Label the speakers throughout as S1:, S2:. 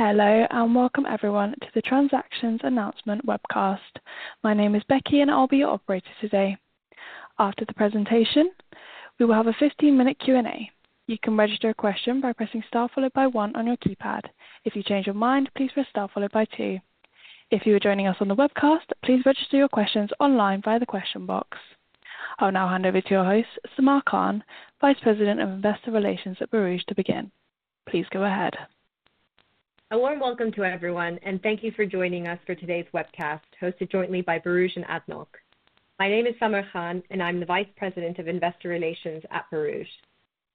S1: Hello and welcome everyone to the Transactions Announcement Webcast. My name is Becky and I'll be your operator today. After the presentation, we will have a 15-minute Q&A. You can register a question by pressing star followed by one on your keypad. If you change your mind, please press star followed by two. If you are joining us on the webcast, please register your questions online via the question box. I'll now hand over to your host, Samar Khan, Vice President of Investor Relations at Borouge to begin. Please go ahead.
S2: A warm welcome to everyone and thank you for joining us for today's webcast hosted jointly by Borouge and ADNOC. My name is Samar Khan and I'm the Vice President of Investor Relations at Borouge.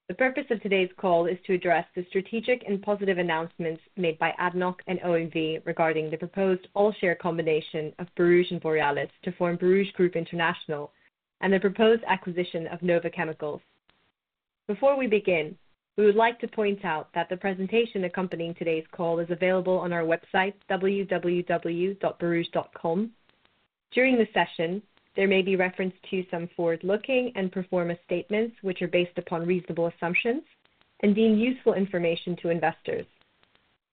S2: The purpose of today's call is to address the strategic and positive announcements made by ADNOC and OMV regarding the proposed all-share combination of Borouge and Borealis to form Borouge Group International and the proposed acquisition of Nova Chemicals. Before we begin, we would like to point out that the presentation accompanying today's call is available on our website, www.borouge.com. During the session, there may be reference to some forward-looking and performance statements which are based upon reasonable assumptions and deemed useful information to investors.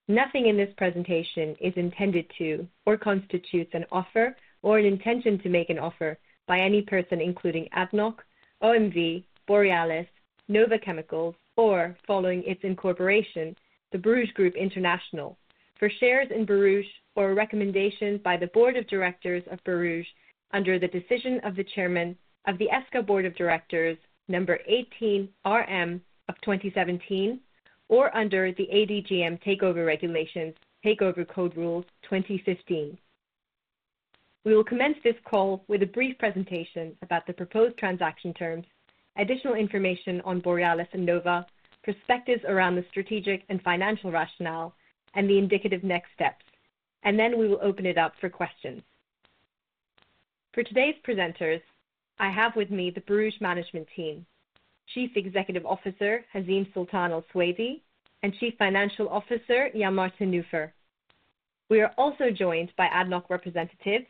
S2: Nothing in this presentation is intended to or constitutes an offer or an intention to make an offer by any person including ADNOC, OMV, Borealis, Nova Chemicals, or following its incorporation, the Borouge Group International, for shares in Borouge or a recommendation by the Board of Directors of Borouge under the decision of the Chairman of the SCA Board of Directors number 18 RM of 2017 or under the ADGM takeover regulations takeover code rules 2015. We will commence this call with a brief presentation about the proposed transaction terms, additional information on Borealis and Nova, perspectives around the strategic and financial rationale, and the indicative next steps, and then we will open it up for questions. For today's presenters, I have with me the Borouge Management Team, Chief Executive Officer Hazeem Sultan Al Suwaidi, and Chief Financial Officer Jan-Martin Nufer. We are also joined by ADNOC representatives,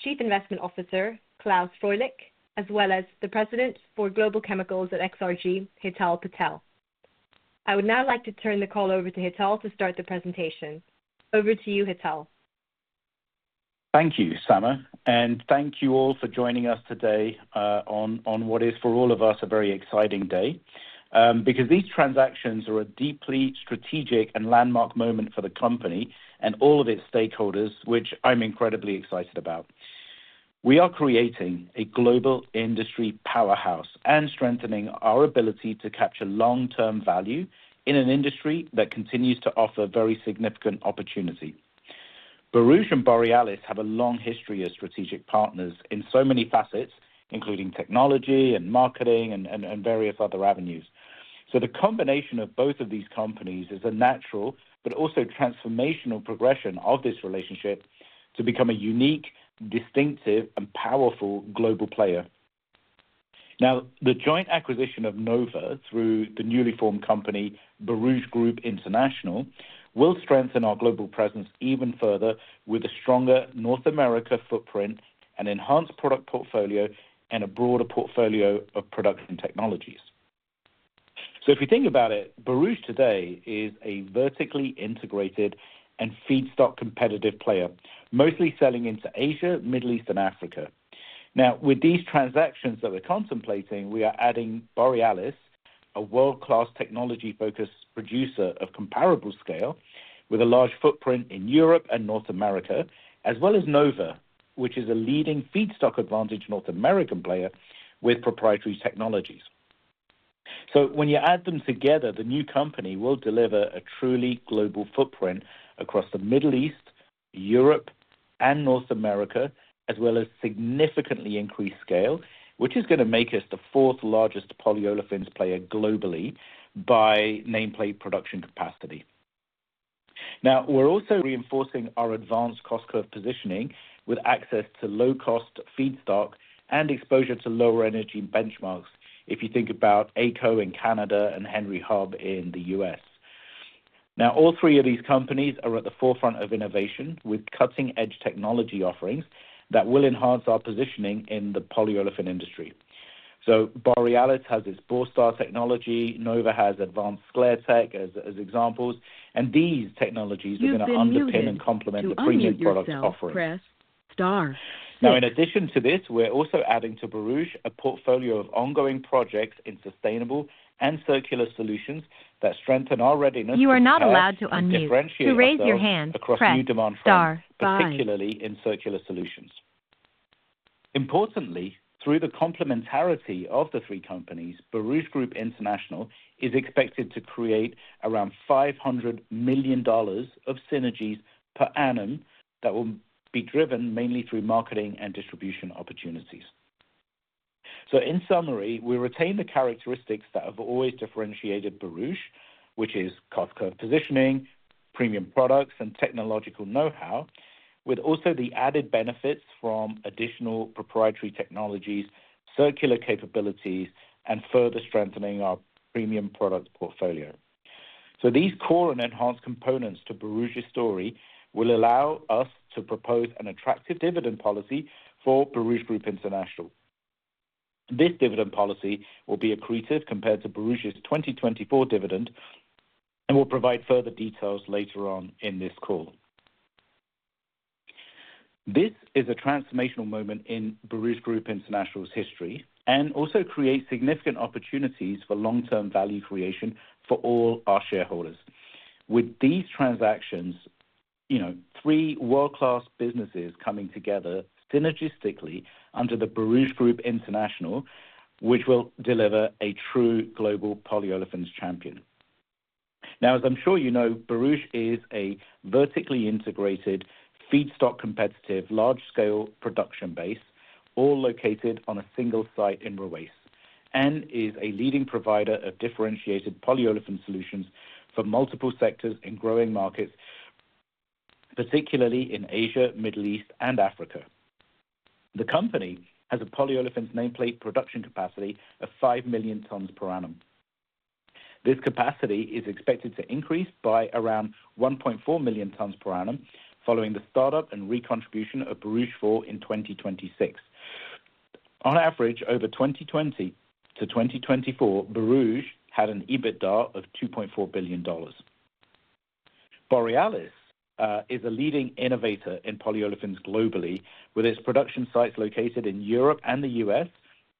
S2: Chief Investment Officer Klaus Fröhlich, as well as the President for Global Chemicals at XRG, Hital Patel. I would now like to turn the call over to Hital to start the presentation. Over to you, Hital.
S3: Thank you, Samar, and thank you all for joining us today on what is, for all of us, a very exciting day because these transactions are a deeply strategic and landmark moment for the company and all of its stakeholders, which I'm incredibly excited about. We are creating a global industry powerhouse and strengthening our ability to capture long-term value in an industry that continues to offer very significant opportunity. Borouge and Borealis have a long history as strategic partners in so many facets, including technology and marketing and various other avenues. So the combination of both of these companies is a natural but also transformational progression of this relationship to become a unique, distinctive, and powerful global player. Now, the joint acquisition of Nova through the newly formed company, Borouge Group International, will strengthen our global presence even further with a stronger North America footprint, an enhanced product portfolio, and a broader portfolio of production technologies. So if you think about it, Borouge today is a vertically integrated and feedstock competitive player, mostly selling into Asia, Middle East, and Africa. Now, with these transactions that we're contemplating, we are adding Borealis, a world-class technology-focused producer of comparable scale with a large footprint in Europe and North America, as well as Nova, which is a leading feedstock advantage North American player with proprietary technologies. So when you add them together, the new company will deliver a truly global footprint across the Middle East, Europe, and North America, as well as significantly increased scale, which is going to make us the fourth largest polyolefins player globally by nameplate production capacity. Now, we're also reinforcing our advanced cost curve positioning with access to low-cost feedstock and exposure to lower energy benchmarks if you think about AECO in Canada and Henry Hub in the U.S. Now, all three of these companies are at the forefront of innovation with cutting-edge technology offerings that will enhance our positioning in the polyolefin industry. So Borealis has its Borstar technology. Nova has advanced Sclairtech as examples, and these technologies are going to underpin and complement the premium product offering. Now, in addition to this, we're also adding to Borouge a portfolio of ongoing projects in sustainable and circular solutions that strengthen our readiness particularly in circular solutions. Importantly, through the complementarity of the three companies, Borouge Group International is expected to create around $500 million of synergies per annum that will be driven mainly through marketing and distribution opportunities, so in summary, we retain the characteristics that have always differentiated Borouge, which is cost curve positioning, premium products, and technological know-how, with also the added benefits from additional proprietary technologies, circular capabilities, and further strengthening our premium product portfolio, so these core and enhanced components to Borouge's story will allow us to propose an attractive dividend policy for Borouge Group International. This dividend policy will be accretive compared to Borouge's 2024 dividend and will provide further details later on in this call. This is a transformational moment in Borouge Group International's history and also creates significant opportunities for long-term value creation for all our shareholders. With these transactions, three world-class businesses coming together synergistically under the Borouge Group International, which will deliver a true global polyolefins champion. Now, as I'm sure you know, Borouge is a vertically integrated, feedstock competitive, large-scale production base, all located on a single site in Ruwais, and is a leading provider of differentiated polyolefin solutions for multiple sectors in growing markets, particularly in Asia, Middle East, and Africa. The company has a polyolefins nameplate production capacity of 5 million tons per annum. This capacity is expected to increase by around 1.4 million tons per annum following the startup and recontribution of Borouge 4 in 2026. On average, over 2020 to 2024, Borouge had an EBITDA of $2.4 billion. Borealis is a leading innovator in polyolefins globally, with its production sites located in Europe and the U.S.,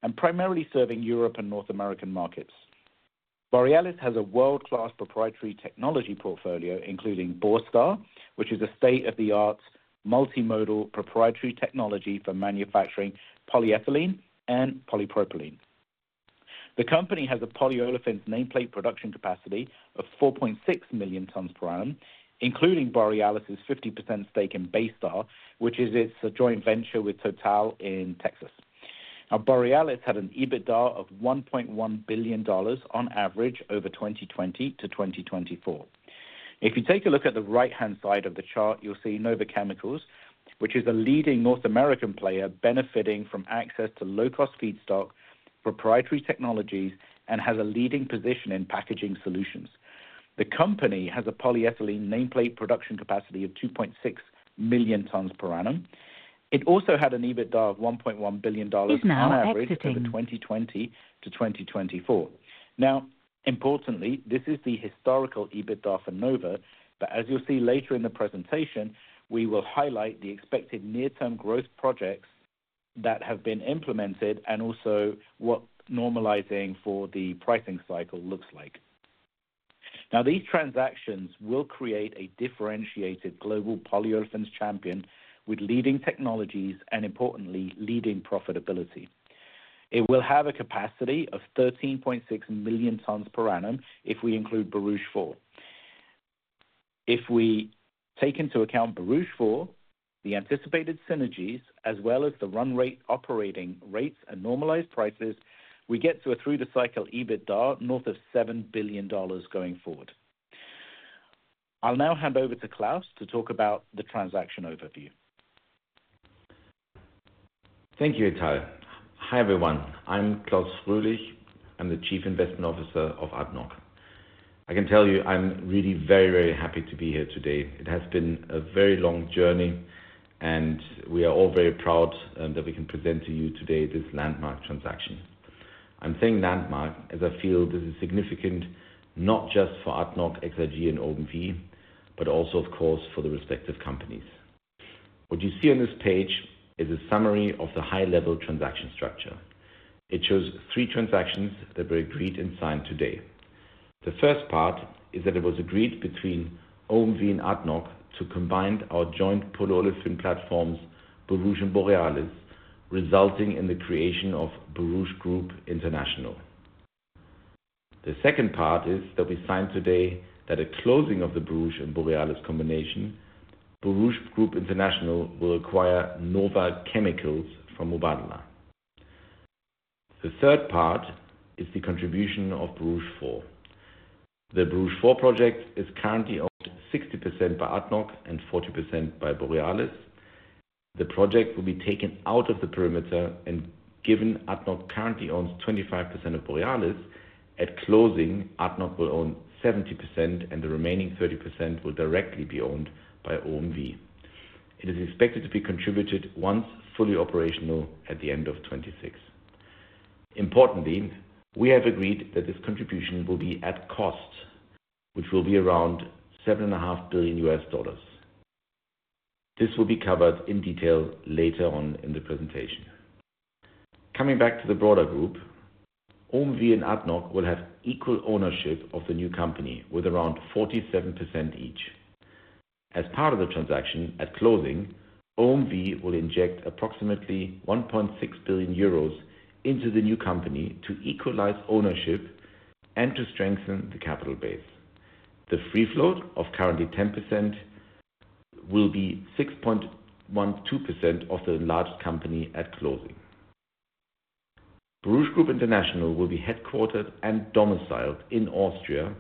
S3: and primarily serving Europe and North American markets. Borealis has a world-class proprietary technology portfolio, including Borstar, which is a state-of-the-art multimodal proprietary technology for manufacturing polyethylene and polypropylene. The company has a polyolefins nameplate production capacity of 4.6 million tons per annum, including Borealis' 50% stake in Baystar, which is its joint venture with Total in Texas. Now, Borealis had an EBITDA of $1.1 billion on average over 2020 to 2024. If you take a look at the right-hand side of the chart, you'll see Nova Chemicals, which is a leading North American player benefiting from access to low-cost feedstock, proprietary technologies, and has a leading position in packaging solutions. The company has a polyethylene nameplate production capacity of 2.6 million tons per annum. It also had an EBITDA of $1.1 billion on average over 2020 to 2024. Now, importantly, this is the historical EBITDA for Nova, but as you'll see later in the presentation, we will highlight the expected near-term growth projects that have been implemented and also what normalizing for the pricing cycle looks like. Now, these transactions will create a differentiated global polyolefins champion with leading technologies and, importantly, leading profitability. It will have a capacity of 13.6 million tons per annum if we include Borouge 4. If we take into account Borouge 4, the anticipated synergies, as well as the run rate operating rates and normalized prices, we get to a through-the-cycle EBITDA north of $7 billion going forward. I'll now hand over to Klaus to talk about the transaction overview.
S4: Thank you, Hital. Hi, everyone. I'm Klaus Fröhlich. I'm the Chief Investment Officer of ADNOC. I can tell you I'm really very, very happy to be here today. It has been a very long journey, and we are all very proud that we can present to you today this landmark transaction. I'm saying landmark as I feel this is significant not just for ADNOC, XRG, and OMV, but also, of course, for the respective companies. What you see on this page is a summary of the high-level transaction structure. It shows three transactions that were agreed and signed today. The first part is that it was agreed between OMV and ADNOC to combine our joint polyolefin platforms, Borouge and Borealis, resulting in the creation of Borouge Group International. The second part is that we signed today that at closing of the Borouge and Borealis combination, Borouge Group International will acquire Nova Chemicals from Mubadala. The third part is the contribution of Borouge 4. The Borouge 4 project is currently owned 60% by ADNOC and 40% by Borealis. The project will be taken out of the perimeter and given ADNOC currently owns 25% of Borealis. At closing, ADNOC will own 70%, and the remaining 30% will directly be owned by OMV. It is expected to be contributed once fully operational at the end of 2026. Importantly, we have agreed that this contribution will be at cost, which will be around $7.5 billion. This will be covered in detail later on in the presentation. Coming back to the broader group, OMV and ADNOC will have equal ownership of the new company with around 47% each. As part of the transaction, at closing, OMV will inject approximately 1.6 billion euros into the new company to equalize ownership and to strengthen the capital base. The free float of currently 10% will be 6.12% of the enlarged company at closing. Borouge Group International will be headquartered and domiciled in Austria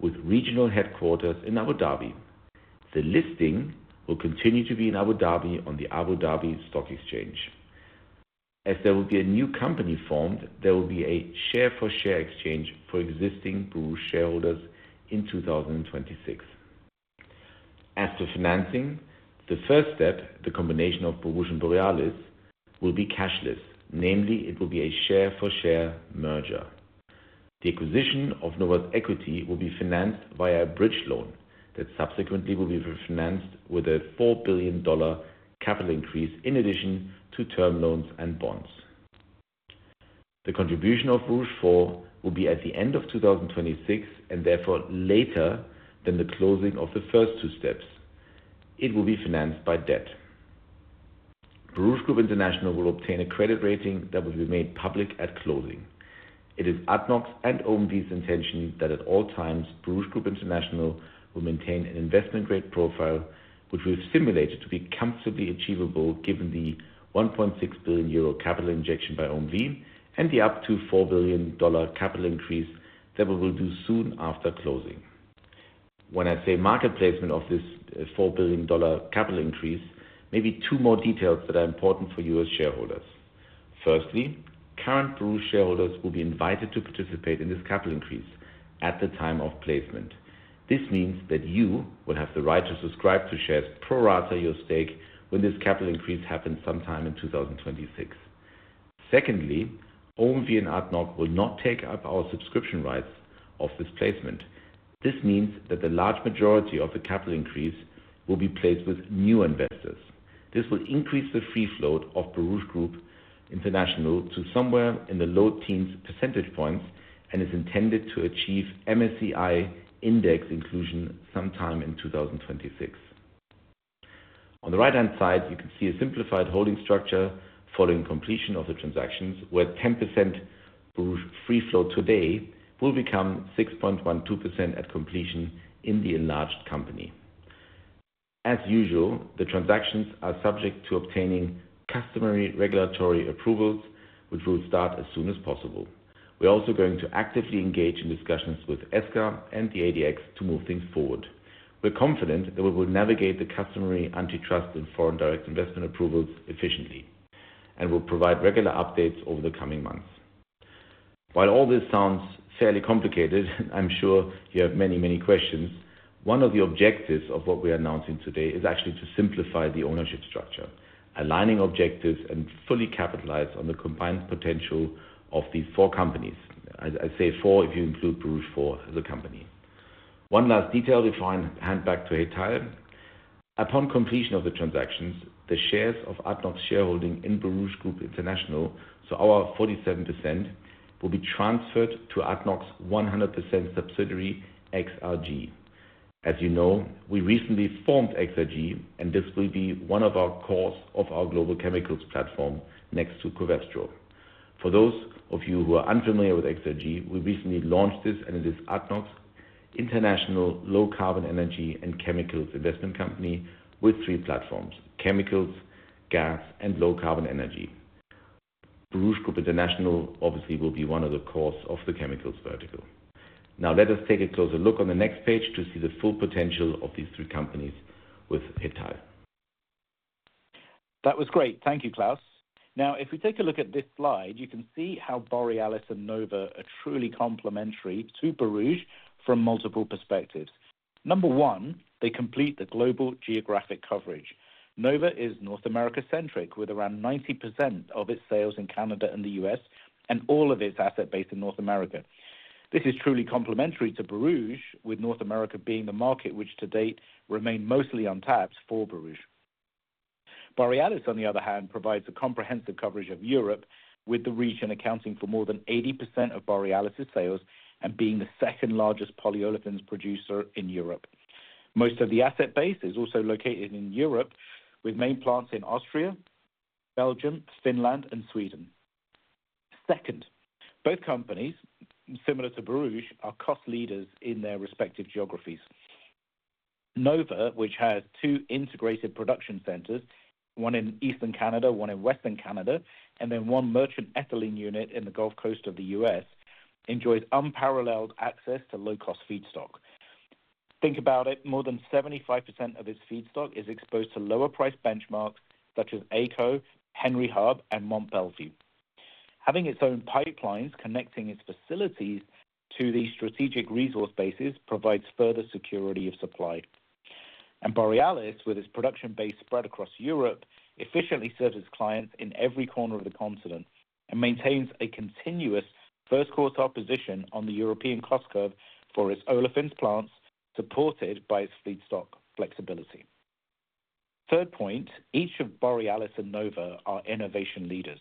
S4: with regional headquarters in Abu Dhabi. The listing will continue to be in Abu Dhabi on the Abu Dhabi Securities Exchange. As there will be a new company formed, there will be a share-for-share exchange for existing Borouge shareholders in 2026. As for financing, the first step, the combination of Borouge and Borealis, will be cashless, namely it will be a share-for-share merger. The acquisition of Nova's equity will be financed via a bridge loan that subsequently will be financed with a $4 billion capital increase in addition to term loans and bonds. The contribution of Borouge 4 will be at the end of 2026 and therefore later than the closing of the first two steps. It will be financed by debt. Borouge Group International will obtain a credit rating that will be made public at closing. It is ADNOC's and OMV's intention that at all times, Borouge Group International will maintain an investment-grade profile, which we've simulated to be comfortably achievable given the 1.6 billion euro capital injection by OMV and the up to $4 billion capital increase that we will do soon after closing. When I say market placement of this $4 billion capital increase, maybe two more details that are important for you as shareholders. Firstly, current Borouge shareholders will be invited to participate in this capital increase at the time of placement. This means that you will have the right to subscribe to shares pro rata your stake when this capital increase happens sometime in 2026. Secondly, OMV and ADNOC will not take up our subscription rights of this placement. This means that the large majority of the capital increase will be placed with new investors. This will increase the free float of Borouge Group International to somewhere in the low teens percentage points and is intended to achieve MSCI index inclusion sometime in 2026. On the right-hand side, you can see a simplified holding structure following completion of the transactions where 10% Borouge free float today will become 6.12% at completion in the enlarged company. As usual, the transactions are subject to obtaining customary regulatory approvals, which will start as soon as possible. We're also going to actively engage in discussions with SCA and the ADX to move things forward. We're confident that we will navigate the customary antitrust and foreign direct investment approvals efficiently and will provide regular updates over the coming months. While all this sounds fairly complicated, I'm sure you have many, many questions. One of the objectives of what we are announcing today is actually to simplify the ownership structure, aligning objectives and fully capitalize on the combined potential of these four companies. I say four if you include Borouge 4 as a company. One last detail before I hand back to Hital. Upon completion of the transactions, the shares of ADNOC's shareholding in Borouge Group International, so our 47%, will be transferred to ADNOC's 100% subsidiary, XRG. As you know, we recently formed XRG, and this will be one of our cores of our global chemicals platform next to Covestro. For those of you who are unfamiliar with XRG, we recently launched this, and it is ADNOC's international low-carbon energy and chemicals investment company with three platforms: chemicals, gas, and low-carbon energy. Borouge Group International obviously will be one of the cores of the chemicals vertical. Now, let us take a closer look on the next page to see the full potential of these three companies with Hital.
S3: That was great. Thank you, Klaus. Now, if we take a look at this slide, you can see how Borealis and Nova are truly complementary to Borouge from multiple perspectives. Number one, they complete the global geographic coverage. Nova is North America-centric with around 90% of its sales in Canada and the U.S., and all of its asset base in North America. This is truly complementary to Borouge, with North America being the market which to date remained mostly untapped for Borouge. Borealis, on the other hand, provides a comprehensive coverage of Europe, with the region accounting for more than 80% of Borealis' sales and being the second-largest polyolefins producer in Europe. Most of the asset base is also located in Europe, with main plants in Austria, Belgium, Finland, and Sweden. Second, both companies, similar to Borouge, are cost leaders in their respective geographies. Nova, which has two integrated production centers, one in eastern Canada, one in western Canada, and then one merchant ethylene unit in the Gulf Coast of the U.S., enjoys unparalleled access to low-cost feedstock. Think about it, more than 75% of its feedstock is exposed to lower-priced benchmarks such as AECO, Henry Hub, and Mont Belvieu. Having its own pipelines connecting its facilities to these strategic resource bases provides further security of supply, and Borealis, with its production base spread across Europe, efficiently serves its clients in every corner of the continent and maintains a continuous first quartile position on the European cost curve for its olefins plants, supported by its feedstock flexibility. Third point, each of Borealis and Nova are innovation leaders.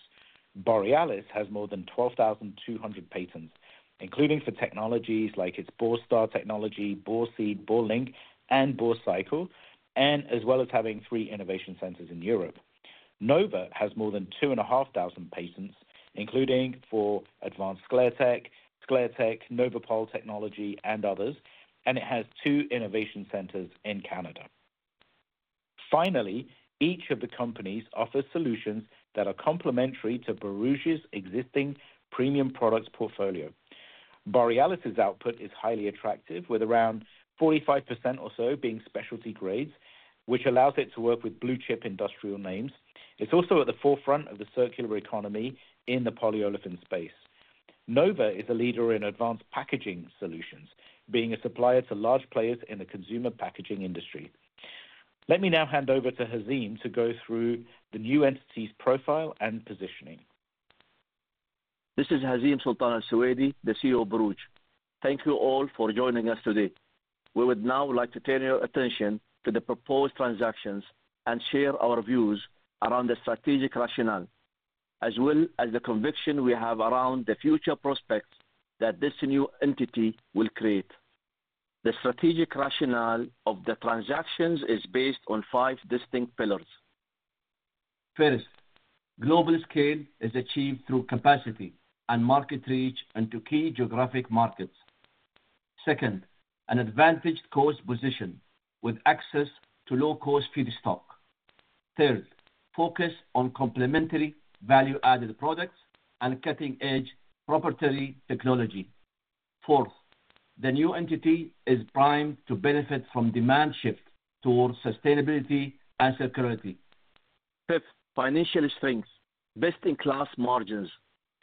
S3: Borealis has more than 12,200 patents, including for technologies like its Borstar technology, Borseed, Borlink, and Borcycle, as well as having three innovation centers in Europe. Nova has more than 2,500 patents, including for Advanced Sclairtech, Sclairtech, Novapol technology, and others, and it has two innovation centers in Canada. Finally, each of the companies offers solutions that are complementary to Borouge's existing premium products portfolio. Borealis' output is highly attractive, with around 45% or so being specialty grades, which allows it to work with blue-chip industrial names. It's also at the forefront of the circular economy in the polyolefin space. Nova is a leader in advanced packaging solutions, being a supplier to large players in the consumer packaging industry. Let me now hand over to Hazeem to go through the new entity's profile and positioning.
S5: This is Hazeem Sultan Al Suwaidi, the CEO of Borouge. Thank you all for joining us today. We would now like to turn your attention to the proposed transactions and share our views around the strategic rationale, as well as the conviction we have around the future prospects that this new entity will create. The strategic rationale of the transactions is based on five distinct pillars. First, global scale is achieved through capacity and market reach into key geographic markets. Second, an advantaged cost position with access to low-cost feedstock. Third, focus on complementary value-added products and cutting-edge proprietary technology. Fourth, the new entity is primed to benefit from demand shift towards sustainability and circularity. Fifth, financial strength, best-in-class margins,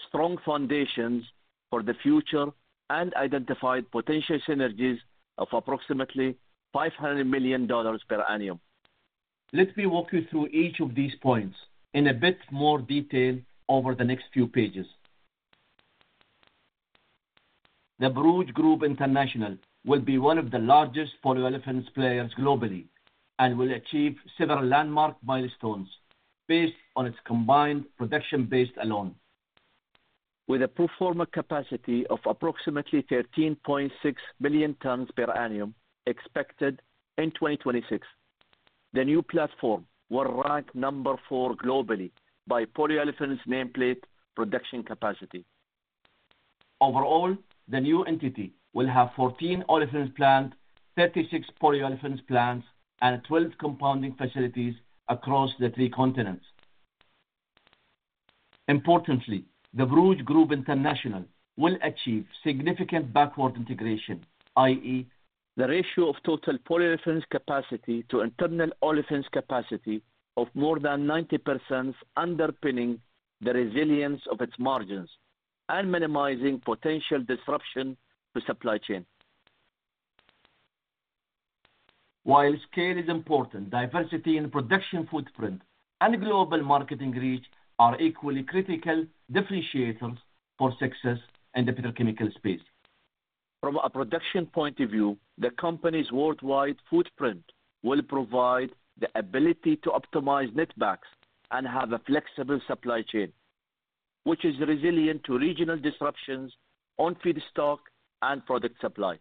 S5: strong foundations for the future, and identified potential synergies of approximately $500 million per annum. Let me walk you through each of these points in a bit more detail over the next few pages. The Borouge Group International will be one of the largest polyolefins players globally and will achieve several landmark milestones based on its combined production base alone. With a pro forma capacity of approximately 13.6 billion tons per annum expected in 2026, the new platform will rank number four globally by polyolefins nameplate production capacity. Overall, the new entity will have 14 olefins plants, 36 polyolefins plants, and 12 compounding facilities across the three continents. Importantly, the Borouge Group International will achieve significant backward integration, i.e., the ratio of total polyolefins capacity to internal olefins capacity of more than 90%, underpinning the resilience of its margins and minimizing potential disruption to supply chain. While scale is important, diversity in production footprint and global marketing reach are equally critical differentiators for success in the petrochemical space. From a production point of view, the company's worldwide footprint will provide the ability to optimize netbacks and have a flexible supply chain, which is resilient to regional disruptions on feedstock and product supply.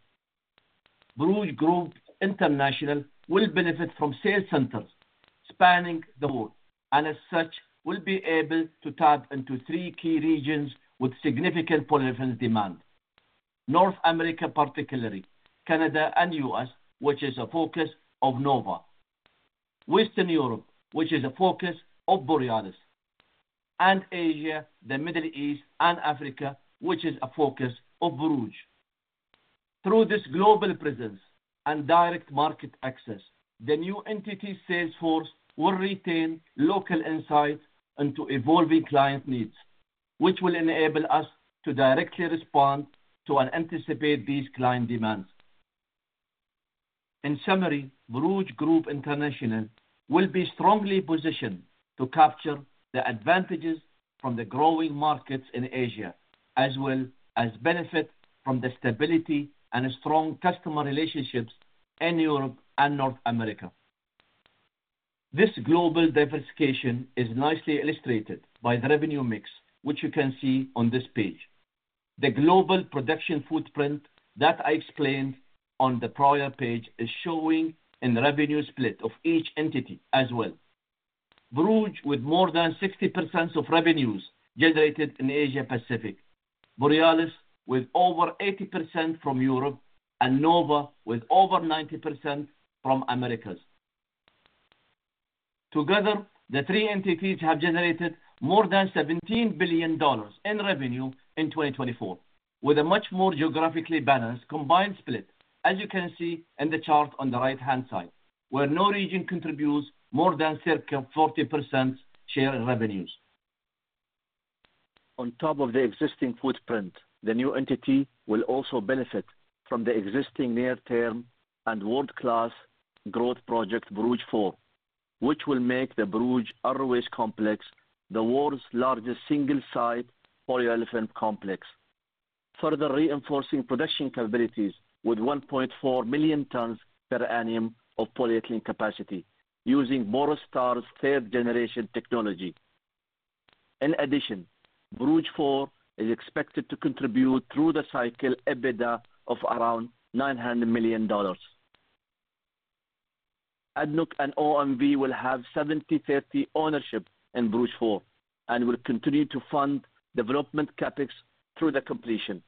S5: Borouge Group International will benefit from sales centers spanning the world and, as such, will be able to tap into three key regions with significant polyolefins demand: North America particularly, Canada and U.S., which is a focus of Nova, Western Europe, which is a focus of Borealis, and Asia, the Middle East, and Africa, which is a focus of Borouge. Through this global presence and direct market access, the new entity's sales force will retain local insights into evolving client needs, which will enable us to directly respond to and anticipate these client demands. In summary, Borouge Group International will be strongly positioned to capture the advantages from the growing markets in Asia, as well as benefit from the stability and strong customer relationships in Europe and North America. This global diversification is nicely illustrated by the revenue mix, which you can see on this page. The global production footprint that I explained on the prior page is showing in the revenue split of each entity as well. Borouge, with more than 60% of revenues generated in Asia-Pacific, Borealis, with over 80% from Europe, and Nova, with over 90% from Americas. Together, the three entities have generated more than $17 billion in revenue in 2024, with a much more geographically balanced combined split, as you can see in the chart on the right-hand side, where no region contributes more than circa 40% share in revenues. On top of the existing footprint, the new entity will also benefit from the existing near-term and world-class growth project, Borouge 4, which will make the Borouge Ruwais Complex the world's largest single-site polyolefin complex, further reinforcing production capabilities with 1.4 million tons per annum of polyethylene capacity using Borstar's third-generation technology. In addition, Borouge 4 is expected to contribute through the cycle EBITDA of around $900 million. ADNOC and OMV will have 70/30 ownership in Borouge 4 and will continue to fund development CapEx through the completion.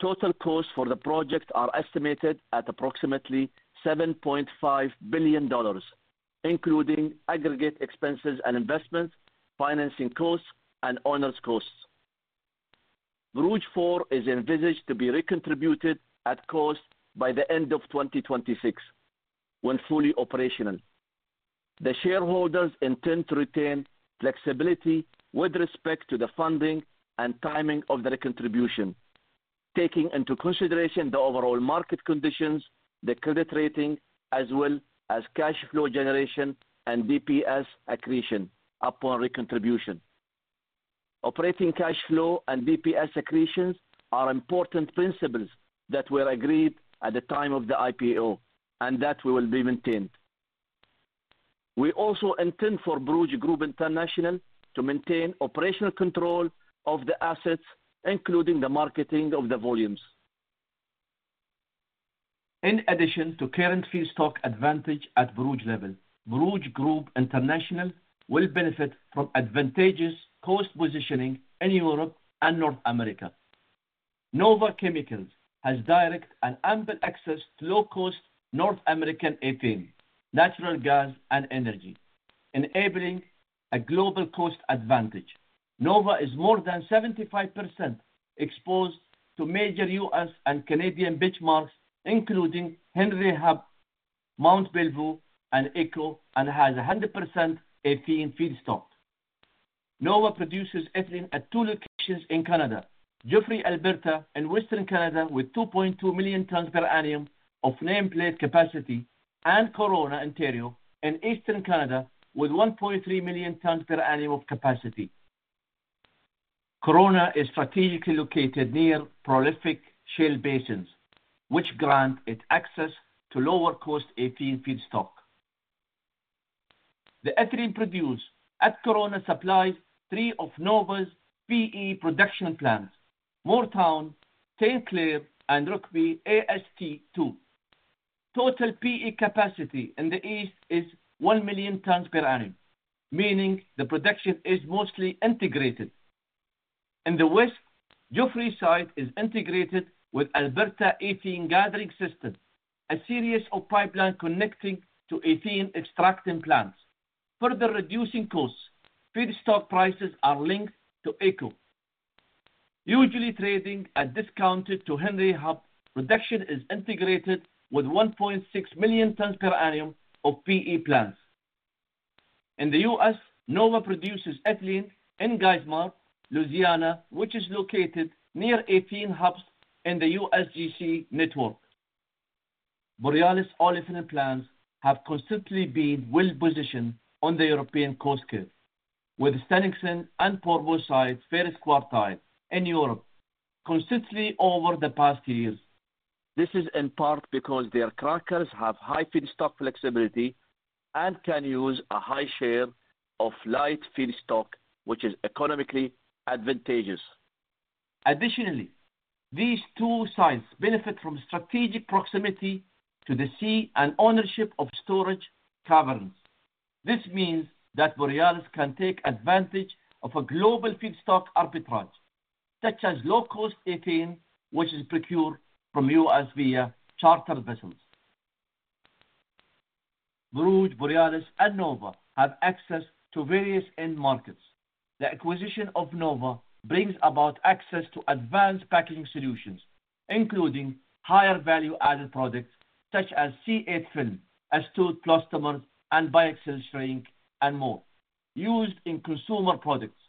S5: Total costs for the project are estimated at approximately $7.5 billion, including aggregate expenses and investments, financing costs, and owners' costs. Borouge 4 is envisaged to be recontributed at cost by the end of 2026 when fully operational. The shareholders intend to retain flexibility with respect to the funding and timing of the recontribution, taking into consideration the overall market conditions, the credit rating, as well as cash flow generation and DPS accretion upon recontribution. Operating cash flow and DPS accretions are important principles that were agreed at the time of the IPO and that will be maintained. We also intend for Borouge Group International to maintain operational control of the assets, including the marketing of the volumes. In addition to current feedstock advantage at Borouge level, Borouge Group International will benefit from advantageous cost positioning in Europe and North America. Nova Chemicals has direct and ample access to low-cost North American ethane, natural gas, and energy, enabling a global cost advantage. Nova is more than 75% exposed to major U.S., and Canadian benchmarks, including Henry Hub, Mont Belvieu, and AECO, and has 100% ethene feedstock. Nova produces ethane at two locations in Canada: Joffre, Alberta, in western Canada with 2.2 million tons per annum of nameplate capacity, and Corunna, Ontario, in eastern Canada with 1.3 million tons per annum of capacity. Corunna is strategically located near prolific shale basins, which grant it access to lower-cost ethene feedstock. The ethane produced at Corunna supplies three of Nova's PE production plants: Moore, St. Clair, and Rokeby, AST2. Total PE capacity in the east is one million tons per annum, meaning the production is mostly integrated. In the west, Joffre's site is integrated with Alberta Ethane Gathering System, a series of pipelines connecting to ethane extracting plants. Further reducing costs, feedstock prices are linked to AECO. Usually trading at a discount to Henry Hub, production is integrated with 1.6 million tons per annum of PE plants. In the U.S., Nova produces ethene in Geismar, Louisiana, which is located near ethene hubs in the USGC network. Borealis olefins plants have consistently been well-positioned on the European cash cost curve, with Stenungsund and Porvoo sites very first quartile in Europe consistently over the past years. This is in part because their crackers have high feedstock flexibility and can use a high share of light feedstock, which is economically advantageous. Additionally, these two sites benefit from strategic proximity to the sea and ownership of storage caverns. This means that Borealis can take advantage of a global feedstock arbitrage, such as low-cost ethene which is procured from U.S., via chartered vessels. Borouge, Borealis, and Nova have access to various end markets. The acquisition of Nova brings about access to advanced packaging solutions, including higher value-added products such as C8 film, ASTUTE Plus thermals and biaxial shrink, and more. Used in consumer products,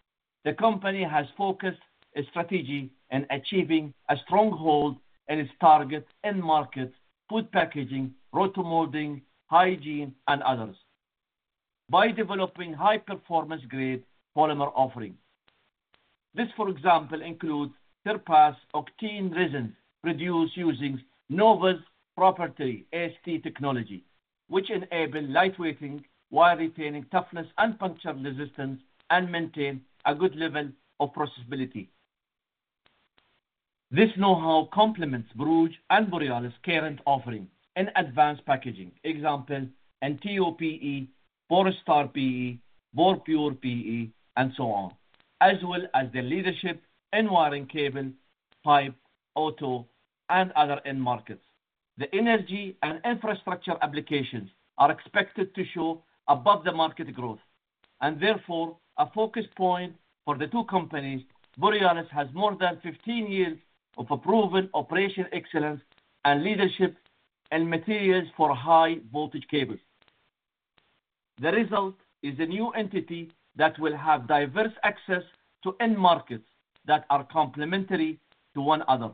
S5: the company has focused its strategy in achieving a stronghold in its target end market: food packaging, rotomolding, hygiene, and others, by developing high-performance-grade polymer offerings. This, for example, includes Surpass octene resin produced using Nova's proprietary Sclairtech technology, which enables light weighting while retaining toughness and puncture resistance and maintaining a good level of processability. This know-how complements Borouge and Borealis' current offerings in advanced packaging, example in TOPE, Borstar PE, Borpure PE, and so on, as well as their leadership in wiring cable, pipe, auto, and other end markets. The energy and infrastructure applications are expected to show above-the-market growth, and therefore a focus point for the two companies. Borealis has more than 15 years of proven operational excellence and leadership in materials for high-voltage cables. The result is a new entity that will have diverse access to end markets that are complementary to one another.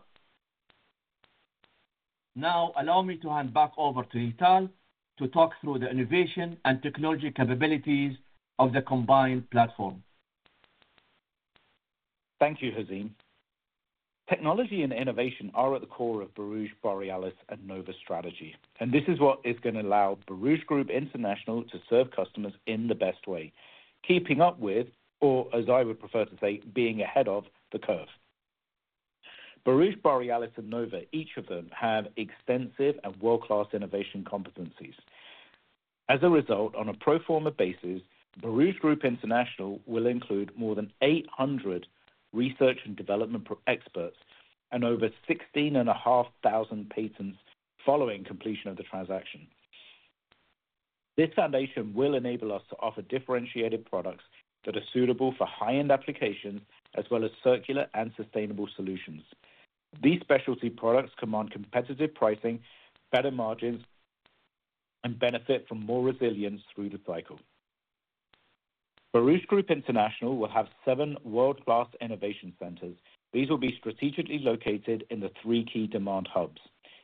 S5: Now, allow me to hand back over to Hital to talk through the innovation and technology capabilities of the combined platform.
S3: Thank you, Hazeem. Technology and innovation are at the core of Borouge, Borealis, and Nova's strategy, and this is what is going to allow Borouge Group International to serve customers in the best way, keeping up with, or as I would prefer to say, being ahead of the curve. Borouge, Borealis, and Nova, each of them, have extensive and world-class innovation competencies. As a result, on a pro forma basis, Borouge Group International will include more than 800 research and development experts and over 16,500 patents following completion of the transaction. This foundation will enable us to offer differentiated products that are suitable for high-end applications as well as circular and sustainable solutions. These specialty products command competitive pricing, better margins, and benefit from more resilience through the cycle. Borouge Group International will have seven world-class innovation centers. These will be strategically located in the three key demand hubs.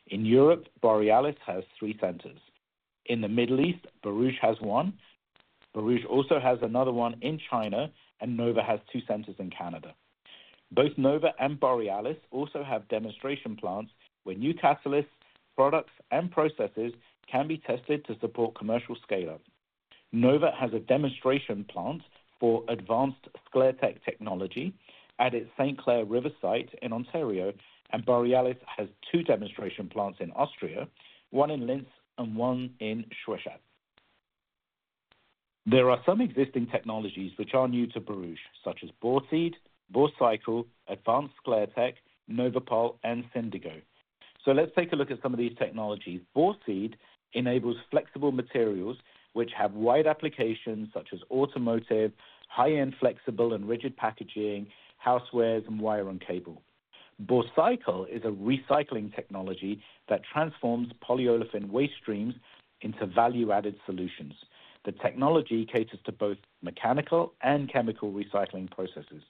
S3: In Europe, Borealis has three centers. In the Middle East, Borouge has one. Borouge also has another one in China, and Nova has two centers in Canada. Both Nova and Borealis also have demonstration plants where new catalysts, products, and processes can be tested to support commercial scale-up. Nova has a demonstration plant for advanced Sclairtech technology at its St. Clair site in Ontario, and Borealis has two demonstration plants in Austria, one in Linz and one in Schwechat. There are some existing technologies which are new to Borouge, such as Borseed, Borcycle, Advanced Sclairtech, Novapol, and Syndigo. So let's take a look at some of these technologies. Borseed enables flexible materials which have wide applications such as automotive, high-end flexible and rigid packaging, housewares, and wire and cable. Borcycle is a recycling technology that transforms polyolefin waste streams into value-added solutions. The technology caters to both mechanical and chemical recycling processes.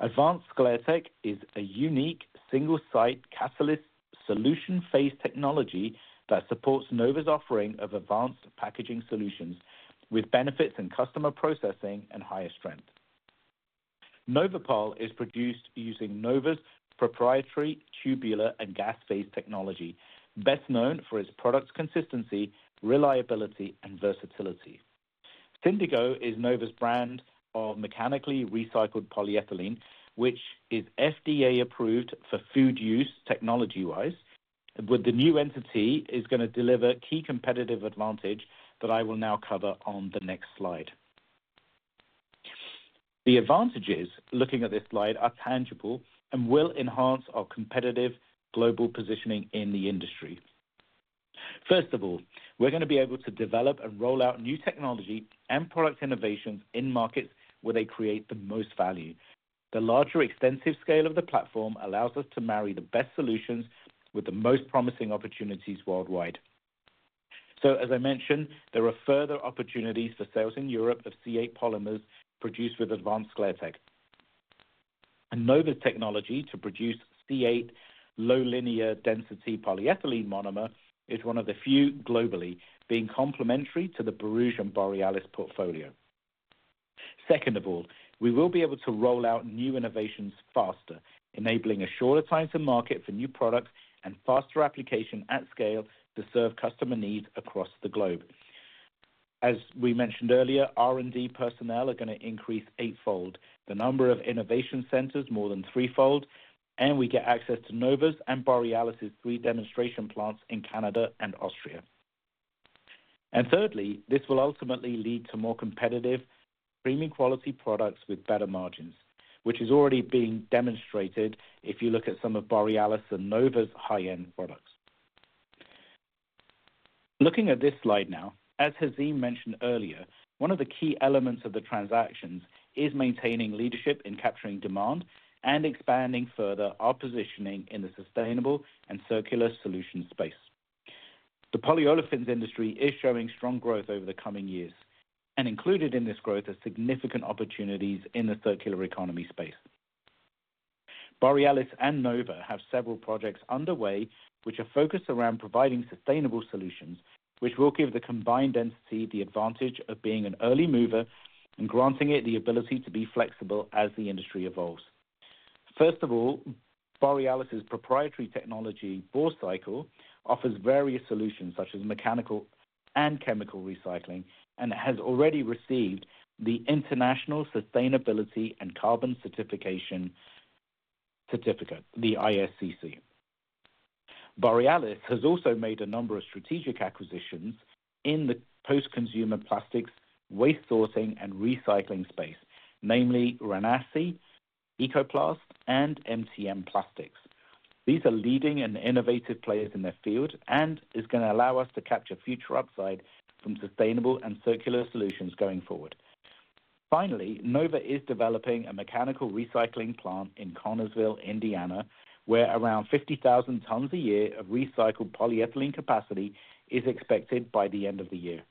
S3: Advanced Sclairtech is a unique single-site catalyst solution phase technology that supports Nova's offering of advanced packaging solutions with benefits in customer processing and higher strength. Novapol is produced using Nova's proprietary tubular and gas phase technology, best known for its product's consistency, reliability, and versatility. Syndigo is Nova's brand of mechanically recycled polyethylene, which is FDA-approved for food use technology-wise, with the new entity going to deliver key competitive advantage that I will now cover on the next slide. The advantages looking at this slide are tangible and will enhance our competitive global positioning in the industry. First of all, we're going to be able to develop and roll out new technology and product innovations in markets where they create the most value. The larger, extensive scale of the platform allows us to marry the best solutions with the most promising opportunities worldwide. So, as I mentioned, there are further opportunities for sales in Europe of C8 polymers produced with Advanced Sclairtech. And Nova's technology to produce C8 linear low-density polyethylene monomer is one of the few globally being complementary to the Borouge and Borealis portfolio. Second of all, we will be able to roll out new innovations faster, enabling a shorter time to market for new products and faster application at scale to serve customer needs across the globe. As we mentioned earlier, R&D personnel are going to increase eightfold, the number of innovation centers more than threefold, and we get access to Nova's and Borealis's three demonstration plants in Canada and Austria. And thirdly, this will ultimately lead to more competitive, premium-quality products with better margins, which is already being demonstrated if you look at some of Borealis and Nova's high-end products. Looking at this slide now, as Hazeem mentioned earlier, one of the key elements of the transactions is maintaining leadership in capturing demand and expanding further our positioning in the sustainable and circular solution space. The polyolefins industry is showing strong growth over the coming years, and included in this growth are significant opportunities in the circular economy space. Borealis and Nova have several projects underway which are focused around providing sustainable solutions, which will give the combined entity the advantage of being an early mover and granting it the ability to be flexible as the industry evolves. First of all, Borealis's proprietary technology, Borcycle, offers various solutions such as mechanical and chemical recycling and has already received the International Sustainability and Carbon Certification, the ISCC. Borealis has also made a number of strategic acquisitions in the post-consumer plastics, waste sorting, and recycling space, namely Renasci, Ecoplast, and MTM Plastics. These are leading and innovative players in their field and are going to allow us to capture future upside from sustainable and circular solutions going forward. Finally, Nova is developing a mechanical recycling plant in Connersville, Indiana, where around 50,000 tons a year of recycled polyethylene capacity is expected by the end of the year.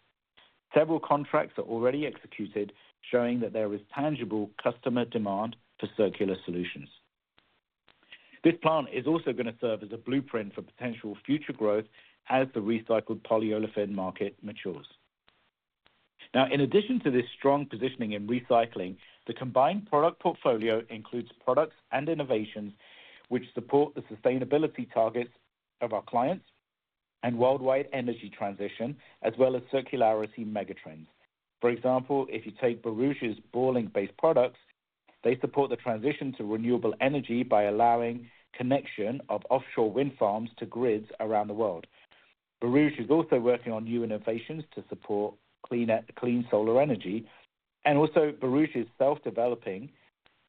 S3: Several contracts are already executed, showing that there is tangible customer demand for circular solutions. This plant is also going to serve as a blueprint for potential future growth as the recycled polyolefin market matures. Now, in addition to this strong positioning in recycling, the combined product portfolio includes products and innovations which support the sustainability targets of our clients and worldwide energy transition, as well as circularity megatrends. For example, if you take Borouge's Borlink-based products, they support the transition to renewable energy by allowing connection of offshore wind farms to grids around the world. Borouge is also working on new innovations to support clean solar energy, and also Borouge is self-developing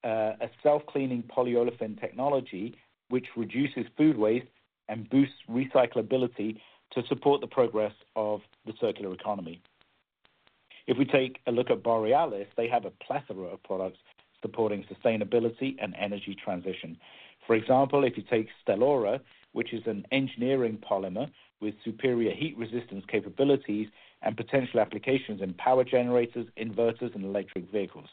S3: a self-cleaning polyolefin technology which reduces food waste and boosts recyclability to support the progress of the circular economy. If we take a look at Borealis, they have a plethora of products supporting sustainability and energy transition. For example, if you take Stelora, which is an engineering polymer with superior heat resistance capabilities and potential applications in power generators, inverters, and electric vehicles.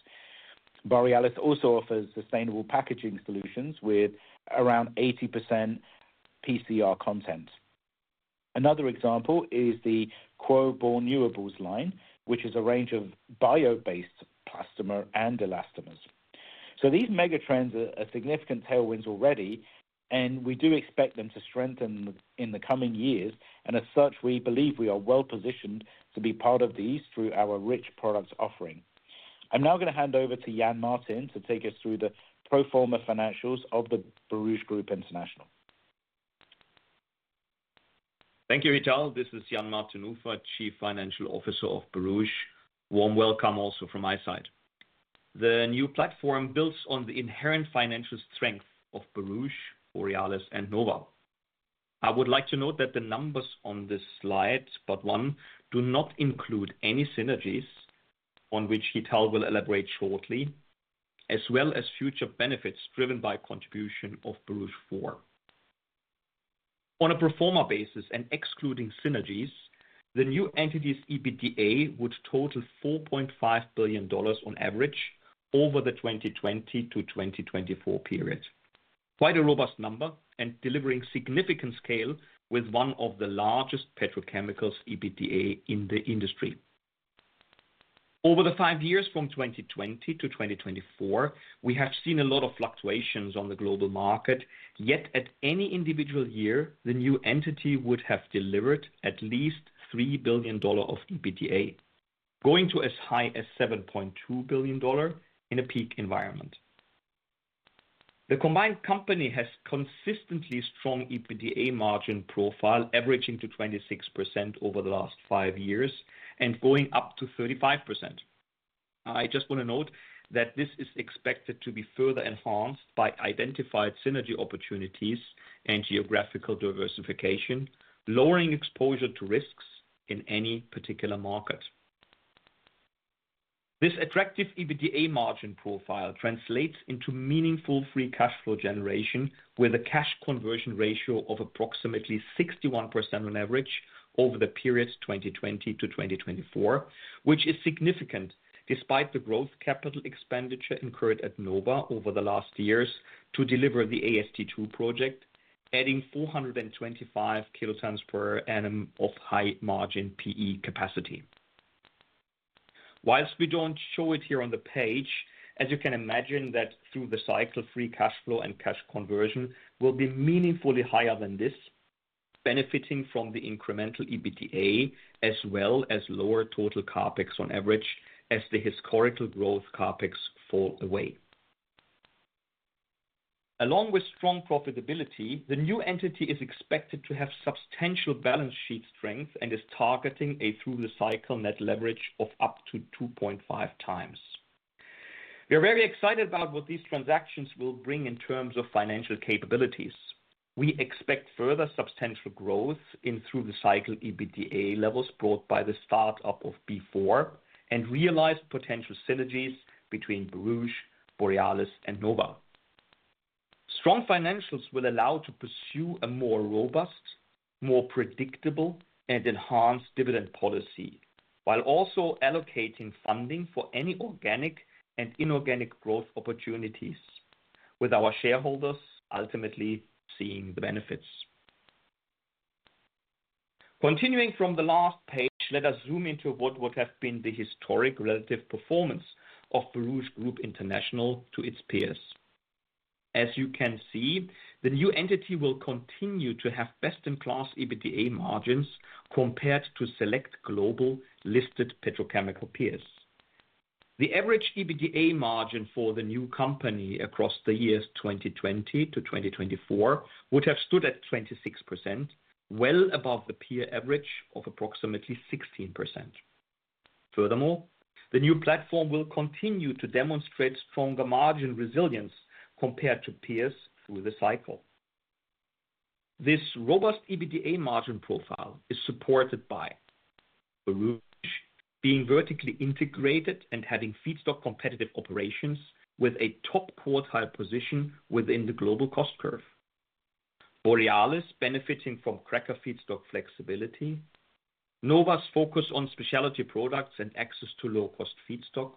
S3: Borealis also offers sustainable packaging solutions with around 80% PCR content. Another example is the Queo Bornewables line, which is a range of bio-based plastomer and elastomers. So these megatrends are significant tailwinds already, and we do expect them to strengthen in the coming years, and as such, we believe we are well-positioned to be part of these through our rich product offering. I'm now going to hand over to Jan-Martin to take us through the pro forma financials of the Borouge Group International.
S6: Thank you, Hital. This is Jan-Martin Nufer, Chief Financial Officer of Borouge. Warm welcome also from my side. The new platform builds on the inherent financial strength of Borouge, Borealis, and Nova. I would like to note that the numbers on this slide, but one, do not include any synergies on which Hital will elaborate shortly, as well as future benefits driven by contribution of Borouge 4. On a pro forma basis and excluding synergies, the new entity's EBITDA would total $4.5 billion on average over the 2020 to 2024 period. Quite a robust number and delivering significant scale with one of the largest petrochemicals' EBITDA in the industry. Over the five years from 2020 to 2024, we have seen a lot of fluctuations on the global market, yet at any individual year, the new entity would have delivered at least $3 billion of EBITDA, going to as high as $7.2 billion in a peak environment. The combined company has consistently strong EBITDA margin profile, averaging to 26% over the last five years and going up to 35%. I just want to note that this is expected to be further enhanced by identified synergy opportunities and geographical diversification, lowering exposure to risks in any particular market. This attractive EBITDA margin profile translates into meaningful free cash flow generation with a cash conversion ratio of approximately 61% on average over the period 2020 to 2024, which is significant despite the growth capital expenditure incurred at Nova over the last years to deliver the AST2 project, adding 425 kilotons per annum of high-margin PE capacity. While we don't show it here on the page, as you can imagine that through the cycle, free cash flow and cash conversion will be meaningfully higher than this, benefiting from the incremental EBITDA as well as lower total CapEx on average as the historical growth CapEx fall away. Along with strong profitability, the new entity is expected to have substantial balance sheet strength and is targeting a through-the-cycle net leverage of up to 2.5 times. We are very excited about what these transactions will bring in terms of financial capabilities. We expect further substantial growth in through-the-cycle EBITDA levels brought by the startup of Borouge 4 and realized potential synergies between Borouge, Borealis, and Nova. Strong financials will allow us to pursue a more robust, more predictable, and enhanced dividend policy while also allocating funding for any organic and inorganic growth opportunities, with our shareholders ultimately seeing the benefits. Continuing from the last page, let us zoom into what would have been the historic relative performance of Borouge Group International to its peers. As you can see, the new entity will continue to have best-in-class EBITDA margins compared to select global listed petrochemical peers. The average EBITDA margin for the new company across the years 2020 to 2024 would have stood at 26%, well above the peer average of approximately 16%. Furthermore, the new platform will continue to demonstrate stronger margin resilience compared to peers through the cycle. This robust EBITDA margin profile is supported by Borouge being vertically integrated and having feedstock competitive operations with a top quartile position within the global cost curve. Borealis benefiting from cracker feedstock flexibility, Nova's focus on specialty products and access to low-cost feedstock,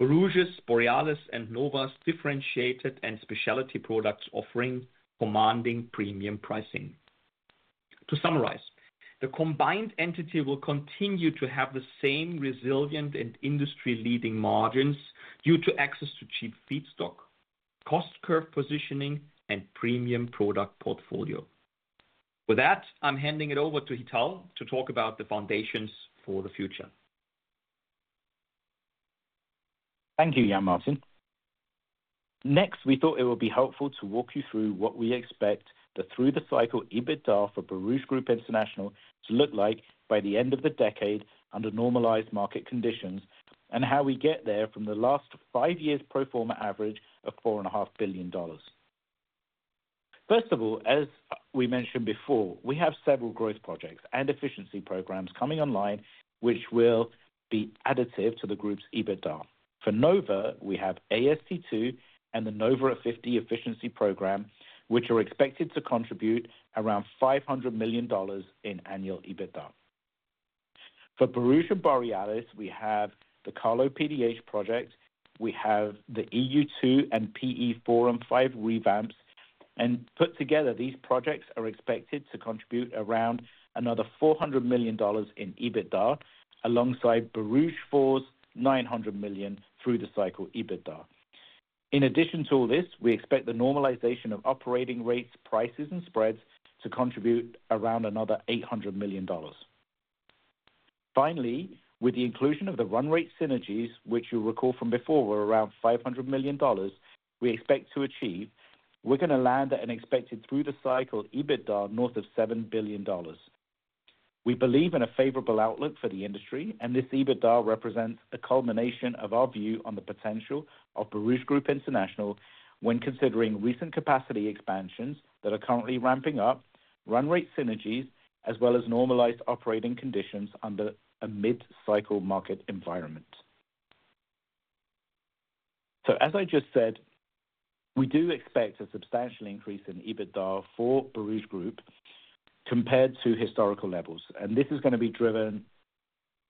S6: Borouge's, Borealis, and Nova's differentiated and specialty products offering commanding premium pricing. To summarize, the combined entity will continue to have the same resilient and industry-leading margins due to access to cheap feedstock, cost curve positioning, and premium product portfolio. With that, I'm handing it over to Hital to talk about the foundations for the future.
S3: Thank you, Jan-Martin. Next, we thought it would be helpful to walk you through what we expect the through-the-cycle EBITDA for Borouge Group International to look like by the end of the decade under normalized market conditions and how we get there from the last five years' pro forma average of $4.5 billion. First of all, as we mentioned before, we have several growth projects and efficiency programs coming online which will be additive to the group's EBITDA. For Nova, we have AST2 and the Nova at 50 efficiency program, which are expected to contribute around $500 million in annual EBITDA. For Borouge and Borealis, we have the Kallo PDH project, we have the EU2 and PE4 and PP5 revamps, and put together, these projects are expected to contribute around another $400 million in EBITDA alongside Borouge 4's $900 million through-the-cycle EBITDA. In addition to all this, we expect the normalization of operating rates, prices, and spreads to contribute around another $800 million. Finally, with the inclusion of the run rate synergies, which you'll recall from before were around $500 million, we expect to achieve. We're going to land at an expected through-the-cycle EBITDA north of $7 billion. We believe in a favorable outlook for the industry, and this EBITDA represents a culmination of our view on the potential of Borouge Group International when considering recent capacity expansions that are currently ramping up, run rate synergies, as well as normalized operating conditions under a mid-cycle market environment. So, as I just said, we do expect a substantial increase in EBITDA for Borouge Group compared to historical levels, and this is going to be driven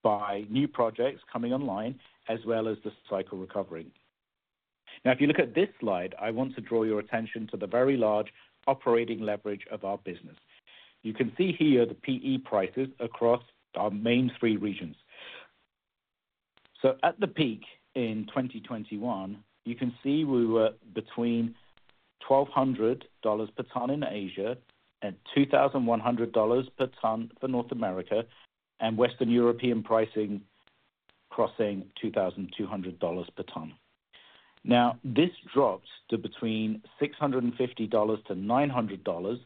S3: by new projects coming online as well as the cycle recovering. Now, if you look at this slide, I want to draw your attention to the very large operating leverage of our business. You can see here the PE prices across our main three regions. So, at the peak in 2021, you can see we were between $1,200 per ton in Asia and $2,100 per ton for North America and Western European pricing crossing $2,200 per ton. Now, this drops to between $650 and $900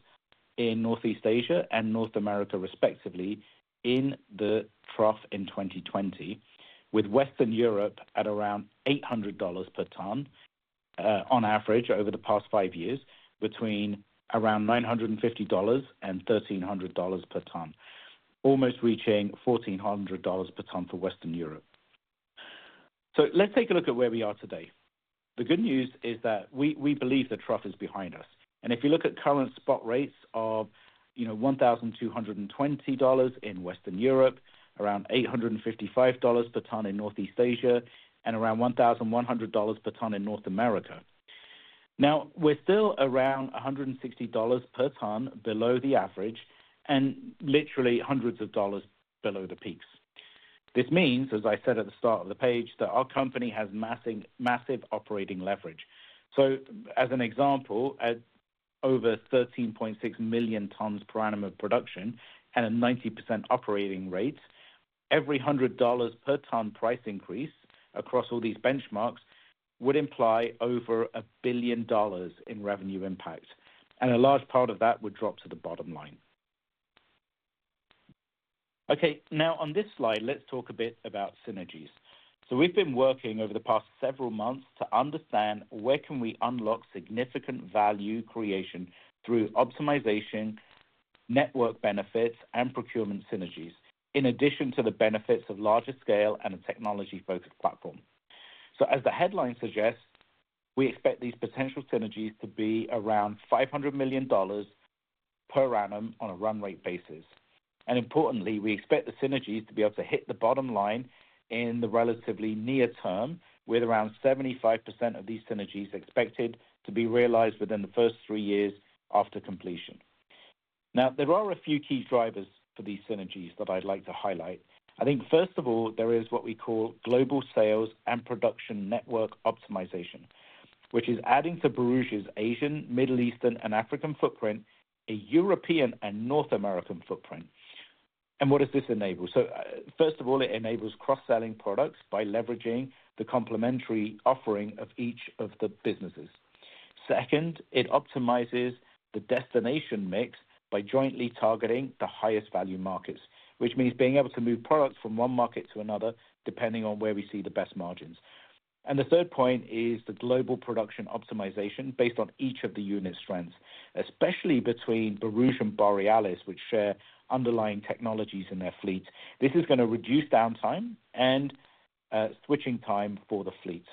S3: in Northeast Asia and North America, respectively, in the trough in 2020, with Western Europe at around $800 per ton on average over the past five years between around $950 and $1,300 per ton, almost reaching $1,400 per ton for Western Europe. So, let's take a look at where we are today. The good news is that we believe the trough is behind us. If you look at current spot rates of $1,220 in Western Europe, around $855 per ton in Northeast Asia, and around $1,100 per ton in North America. Now, we're still around $160 per ton below the average and literally hundreds of dollars below the peaks. This means, as I said at the start of the page, that our company has massive operating leverage. As an example, at over 13.6 million tons per annum of production and a 90% operating rate, every $100 per ton price increase across all these benchmarks would imply over a billion dollars in revenue impact, and a large part of that would drop to the bottom line. Okay, now on this slide, let's talk a bit about synergies. We've been working over the past several months to understand where can we unlock significant value creation through optimization, network benefits, and procurement synergies, in addition to the benefits of larger scale and a technology-focused platform. As the headline suggests, we expect these potential synergies to be around $500 million per annum on a run rate basis. Importantly, we expect the synergies to be able to hit the bottom line in the relatively near term, with around 75% of these synergies expected to be realized within the first three years after completion. There are a few key drivers for these synergies that I'd like to highlight. I think, first of all, there is what we call global sales and production network optimization, which is adding to Borouge's Asian, Middle Eastern, and African footprint a European and North American footprint. What does this enable? So, first of all, it enables cross-selling products by leveraging the complementary offering of each of the businesses. Second, it optimizes the destination mix by jointly targeting the highest value markets, which means being able to move products from one market to another depending on where we see the best margins. And the third point is the global production optimization based on each of the unit strengths, especially between Borouge and Borealis, which share underlying technologies in their fleets. This is going to reduce downtime and switching time for the fleets.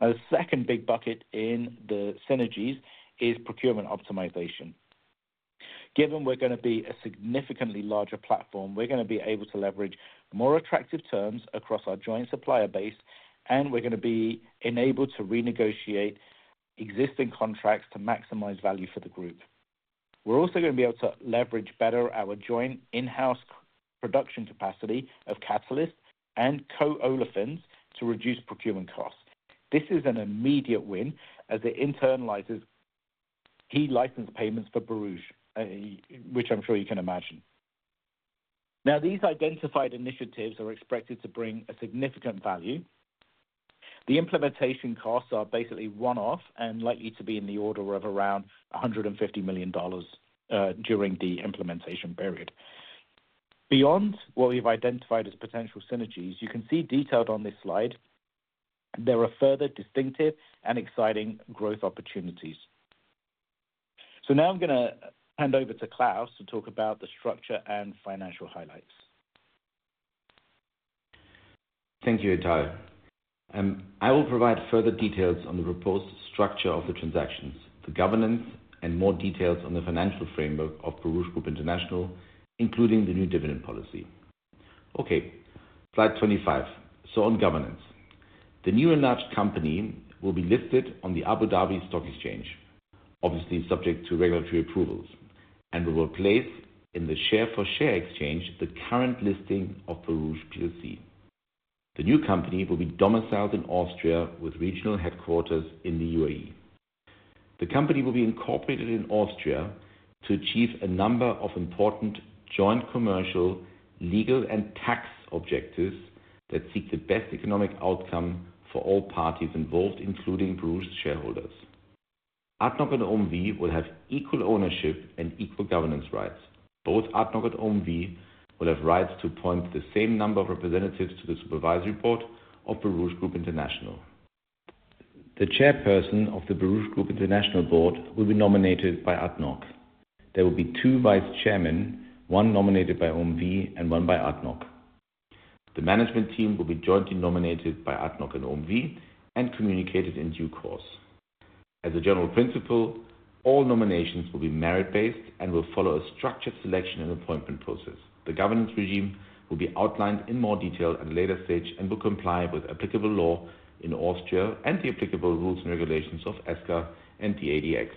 S3: Now, the second big bucket in the synergies is procurement optimization. Given we're going to be a significantly larger platform, we're going to be able to leverage more attractive terms across our joint supplier base, and we're going to be enabled to renegotiate existing contracts to maximize value for the group. We're also going to be able to leverage better our joint in-house production capacity of catalysts and co-olefins to reduce procurement costs. This is an immediate win as it internalizes key license payments for Borouge, which I'm sure you can imagine. Now, these identified initiatives are expected to bring a significant value. The implementation costs are basically one-off and likely to be in the order of around $150 million during the implementation period. Beyond what we've identified as potential synergies, you can see, detailed on this slide, there are further distinctive and exciting growth opportunities. So now I'm going to hand over to Klaus to talk about the structure and financial highlights.
S4: Thank you, Hital. I will provide further details on the report's structure of the transactions, the governance, and more details on the financial framework of Borouge Group International, including the new dividend policy. Okay, slide 25. So, on governance, the new and large company will be listed on the Abu Dhabi Securities Exchange, obviously subject to regulatory approvals, and we will place in the share-for-share exchange the current listing of Borouge plc. The new company will be domiciled in Austria with regional headquarters in the UAE. The company will be incorporated in Austria to achieve a number of important joint commercial, legal, and tax objectives that seek the best economic outcome for all parties involved, including Borouge shareholders. ADNOC and OMV will have equal ownership and equal governance rights. Both ADNOC and OMV will have rights to appoint the same number of representatives to the supervisory board of Borouge Group International. The chairperson of the Borouge Group International board will be nominated by ADNOC. There will be two vice chairmen, one nominated by OMV and one by ADNOC. The management team will be jointly nominated by ADNOC and OMV and communicated in due course. As a general principle, all nominations will be merit-based and will follow a structured selection and appointment process. The governance regime will be outlined in more detail at a later stage and will comply with applicable law in Austria and the applicable rules and regulations of SCA and the ADX.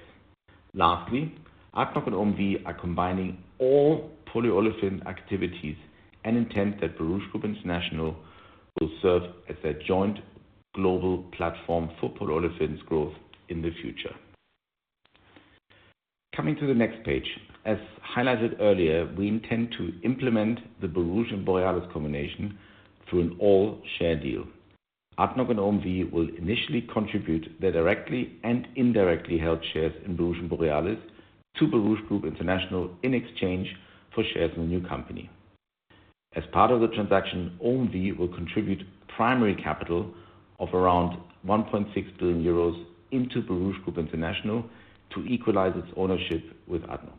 S4: Lastly, ADNOC and OMV are combining all polyolefin activities and intend that Borouge Group International will serve as their joint global platform for polyolefin's growth in the future. Coming to the next page, as highlighted earlier, we intend to implement the Borouge and Borealis combination through an all-share deal. ADNOC and OMV will initially contribute their directly and indirectly held shares in Borouge and Borealis to Borouge Group International in exchange for shares in the new company. As part of the transaction, OMV will contribute primary capital of around € 1.6 billion into Borouge Group International to equalize its ownership with ADNOC.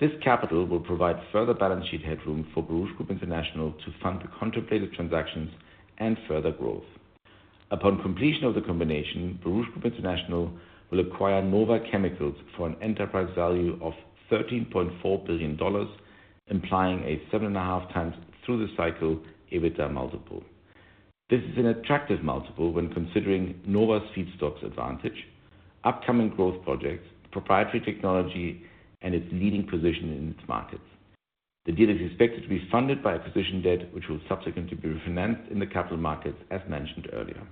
S4: This capital will provide further balance sheet headroom for Borouge Group International to fund the contemplated transactions and further growth. Upon completion of the combination, Borouge Group International will acquire Nova Chemicals for an enterprise value of $13.4 billion, implying a seven-and-a-half times through-the-cycle EBITDA multiple. This is an attractive multiple when considering Nova's feedstock advantage, upcoming growth projects, proprietary technology, and its leading position in its markets. The deal is expected to be funded by acquisition debt, which will subsequently be refinanced in the capital markets, as mentioned earlier.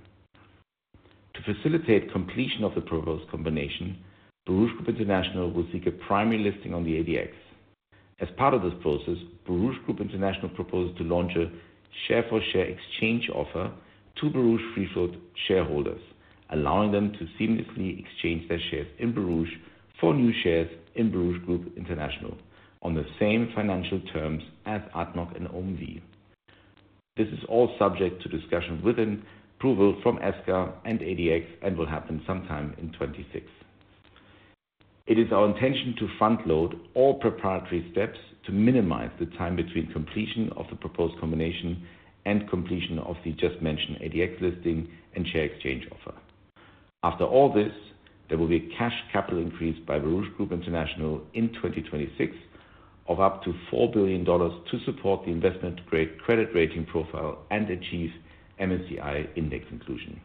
S4: To facilitate completion of the proposed combination, Borouge Group International will seek a primary listing on the ADX. As part of this process, Borouge Group International proposes to launch a share-for-share exchange offer to Borouge free float shareholders, allowing them to seamlessly exchange their shares in Borouge for new shares in Borouge Group International on the same financial terms as ADNOC and OMV. This is all subject to discussion and approval from SCA and ADX and will happen sometime in 2026. It is our intention to front-load all preparatory steps to minimize the time between completion of the proposed combination and completion of the just-mentioned ADX listing and share exchange offer. After all this, there will be a cash capital increase by Borouge Group International in 2026 of up to $4 billion to support the investment-grade credit rating profile and achieve MSCI index inclusion.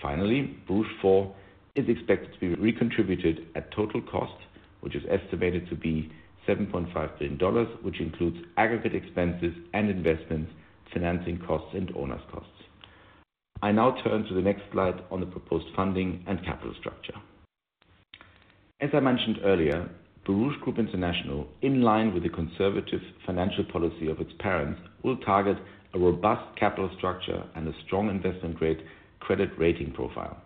S4: Finally, Borouge 4 is expected to be recontributed at total cost, which is estimated to be $7.5 billion, which includes aggregate expenses and investments, financing costs, and owners' costs. I now turn to the next slide on the proposed funding and capital structure. As I mentioned earlier, Borouge Group International, in line with the conservative financial policy of its parents, will target a robust capital structure and a strong investment-grade credit rating profile,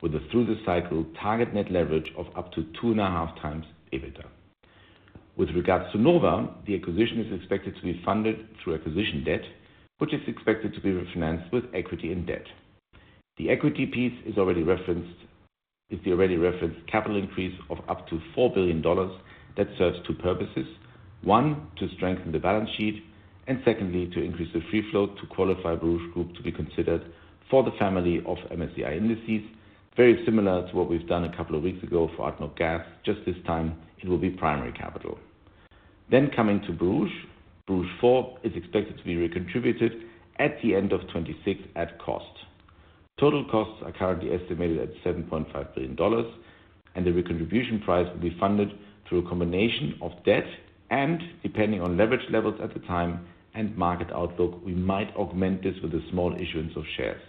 S4: with a through-the-cycle target net leverage of up to two-and-a-half times EBITDA. With regards to Nova, the acquisition is expected to be funded through acquisition debt, which is expected to be refinanced with equity and debt. The equity piece is the already referenced capital increase of up to $4 billion that serves two purposes: one, to strengthen the balance sheet, and secondly, to increase the free float to qualify Borouge Group to be considered for the family of MSCI indices, very similar to what we've done a couple of weeks ago for ADNOC Gas. Just this time, it will be primary capital. Then, coming to Borouge, Borouge 4 is expected to be recontributed at the end of 2026 at cost. Total costs are currently estimated at $7.5 billion, and the recontribution price will be funded through a combination of debt and, depending on leverage levels at the time and market outlook, we might augment this with a small issuance of shares.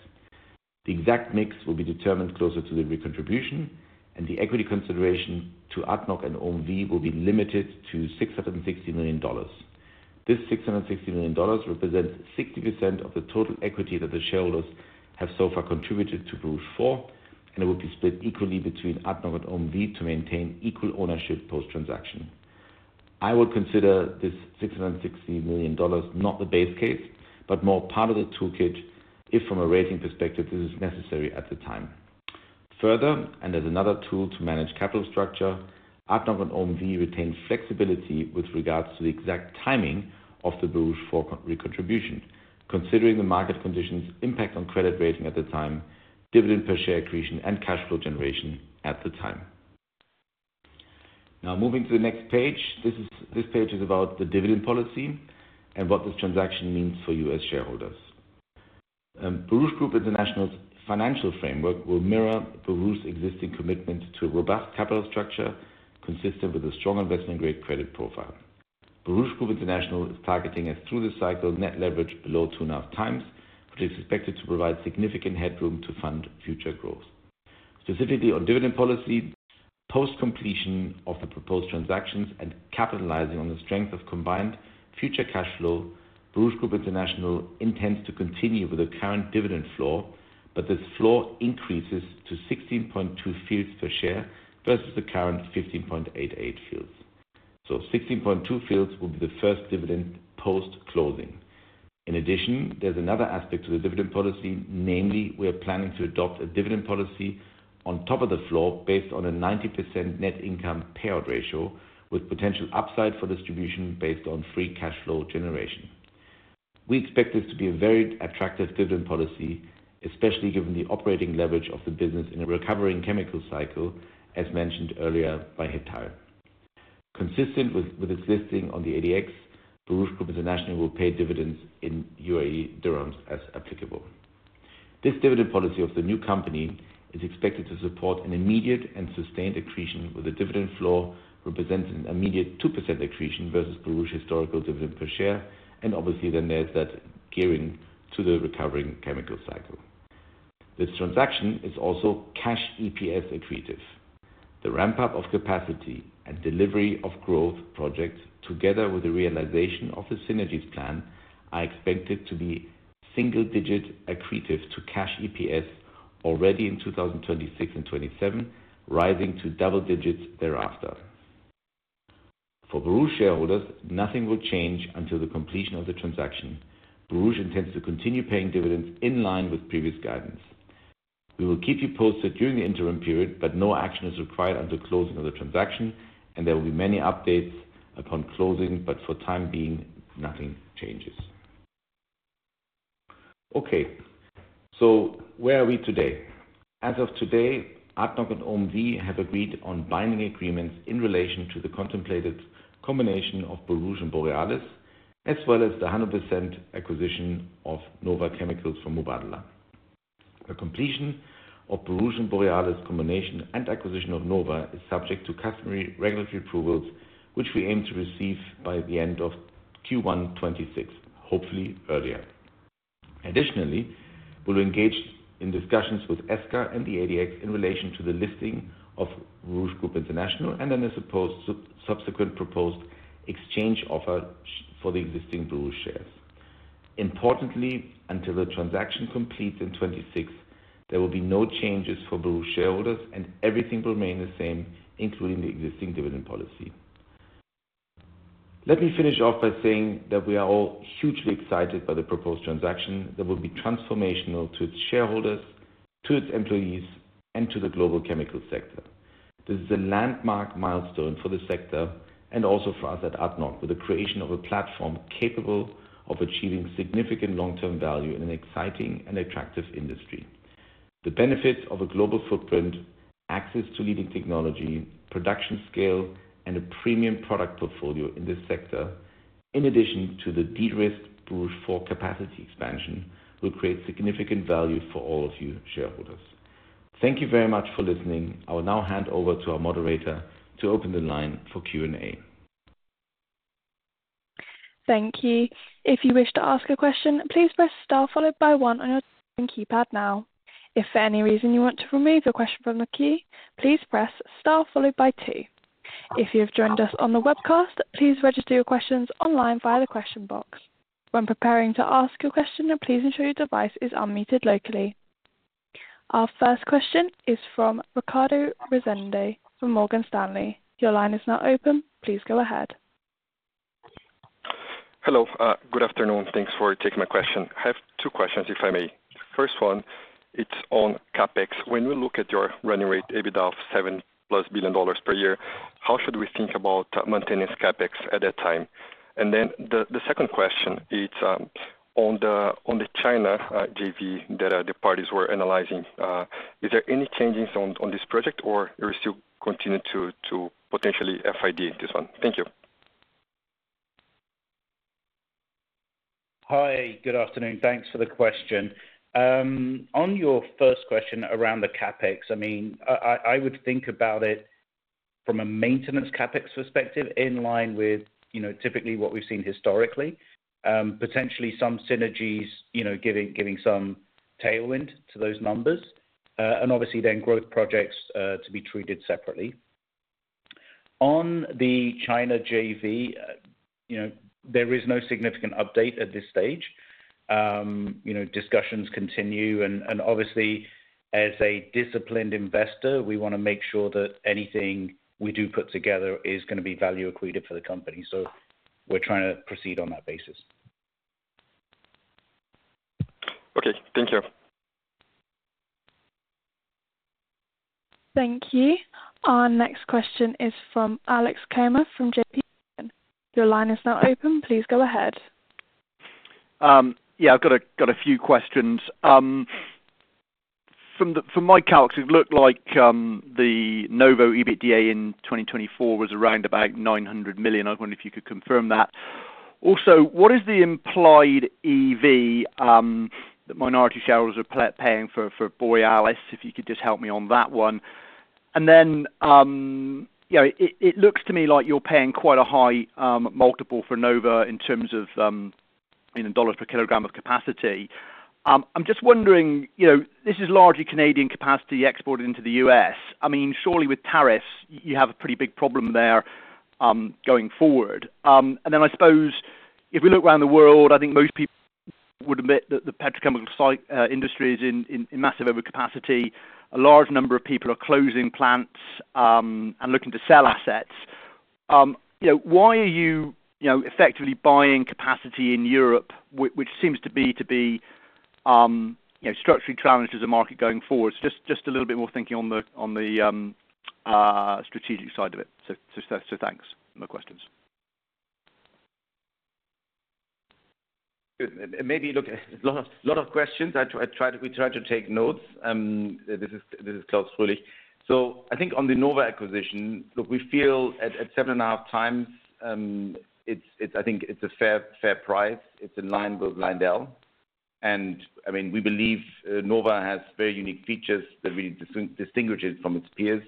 S4: The exact mix will be determined closer to the recontribution, and the equity consideration to ADNOC and OMV will be limited to $660 million. This $660 million represents 60% of the total equity that the shareholders have so far contributed to Borouge 4, and it will be split equally between ADNOC and OMV to maintain equal ownership post-transaction. I would consider this $660 million not the base case, but more part of the toolkit if, from a rating perspective, this is necessary at the time. Further, and as another tool to manage capital structure, ADNOC and OMV retain flexibility with regards to the exact timing of the Borouge 4 recontribution, considering the market conditions, impact on credit rating at the time, dividend per share accretion, and cash flow generation at the time. Now, moving to the next page, this page is about the dividend policy and what this transaction means for U.S., shareholders. Borouge Group International's financial framework will mirror Borouge's existing commitment to a robust capital structure consistent with a strong investment-grade credit profile. Borouge Group International is targeting a through-the-cycle net leverage below two-and-a-half times, which is expected to provide significant headroom to fund future growth. Specifically, on dividend policy, post-completion of the proposed transactions and capitalizing on the strength of combined future cash flow, Borouge Group International intends to continue with the current dividend floor, but this floor increases to 0.162 per share versus the current 0.1588. So, 0.162 will be the first dividend post-closing. In addition, there's another aspect to the dividend policy, namely, we are planning to adopt a dividend policy on top of the floor based on a 90% net income payout ratio with potential upside for distribution based on free cash flow generation. We expect this to be a very attractive dividend policy, especially given the operating leverage of the business in a recovering chemical cycle, as mentioned earlier by Hital. Consistent with its listing on the ADX, Borouge Group International will pay dividends in AED as applicable. This dividend policy of the new company is expected to support an immediate and sustained accretion with a dividend floor representing an immediate 2% accretion versus Borouge's historical dividend per share, and obviously, then there's that gearing to the recovering chemical cycle. This transaction is also cash EPS accretive. The ramp-up of capacity and delivery of growth projects, together with the realization of the synergies plan, are expected to be single-digit accretive to cash EPS already in 2026 and 2027, rising to double digits thereafter. For Borouge shareholders, nothing will change until the completion of the transaction. Borouge intends to continue paying dividends in line with previous guidance. We will keep you posted during the interim period, but no action is required until closing of the transaction, and there will be many updates upon closing, but for the time being, nothing changes. Okay, so where are we today? As of today, ADNOC and OMV have agreed on binding agreements in relation to the contemplated combination of Borouge and Borealis, as well as the 100% acquisition of Nova Chemicals from Mubadala. The completion of Borouge and Borealis' combination and acquisition of Nova is subject to customary regulatory approvals, which we aim to receive by the end of Q1 2026, hopefully earlier. Additionally, we'll engage in discussions with SCA and the ADX in relation to the listing of Borouge Group International and then the subsequent proposed exchange offer for the existing Borouge shares. Importantly, until the transaction completes in 2026, there will be no changes for Borouge shareholders, and everything will remain the same, including the existing dividend policy. Let me finish off by saying that we are all hugely excited by the proposed transaction that will be transformational to its shareholders, to its employees, and to the global chemical sector. This is a landmark milestone for the sector and also for us at ADNOC, with the creation of a platform capable of achieving significant long-term value in an exciting and attractive industry. The benefits of a global footprint, access to leading technology, production scale, and a premium product portfolio in this sector, in addition to the de-risked Borouge 4 capacity expansion, will create significant value for all of you shareholders. Thank you very much for listening. I will now hand over to our moderator to open the line for Q&A.
S1: Thank you. If you wish to ask a question, please press star followed by one on your keypad now. If for any reason you want to remove your question from the key, please press star followed by two. If you have joined us on the webcast, please register your questions online via the question box. When preparing to ask your question, please ensure your device is unmuted locally. Our first question is from Riccardo Rosendi from Morgan Stanley. Your line is now open. Please go ahead.
S7: Hello. Good afternoon. Thanks for taking my question. I have two questions, if I may. First one, it's on CapEx. When we look at your running rate, EBITDA of $7 plus billion per year, how should we think about maintaining CapEx at that time? And then the second question, it's on the China JV that the parties were analyzing. Is there any changes on this project, or you still continue to potentially FID this one? Thank you.
S3: Hi, good afternoon. Thanks for the question. On your first question around the CapEx, I mean, I would think about it from a maintenance CapEx perspective in line with typically what we've seen historically, potentially some synergies, giving some tailwind to those numbers, and obviously then growth projects to be treated separately. On the China JV, there is no significant update at this stage. Discussions continue, and obviously, as a disciplined investor, we want to make sure that anything we do put together is going to be value accretive for the company. So we're trying to proceed on that basis.
S7: Okay. Thank you.
S1: Thank you. Our next question is from Alex Comer from JPMorgan. Your line is now open. Please go ahead.
S8: Yeah, I've got a few questions. From my calculations, it looked like the Nova EBITDA in 2024 was around about $900 million. I wonder if you could confirm that. Also, what is the implied EV that minority shareholders are paying for Borealis? If you could just help me on that one. And then it looks to me like you're paying quite a high multiple for Nova in terms of dollars per kilogram of capacity. I'm just wondering, this is largely Canadian capacity exported into the U.S. I mean, surely with tariffs, you have a pretty big problem there going forward. And then I suppose if we look around the world, I think most people would admit that the petrochemical industry is in massive overcapacity. A large number of people are closing plants and looking to sell assets. Why are you effectively buying capacity in Europe, which seems to be structurally challenged as a market going forward? Just a little bit more thinking on the strategic side of it. So thanks. No questions.
S4: Good. And maybe a lot of questions. We try to take notes. This is Klaus Fröhlich. So I think on the Nova acquisition, look, we feel at seven-and-a-half times, I think it's a fair price. It's in line with Lyondell. And I mean, we believe Nova has very unique features that really distinguish it from its peers.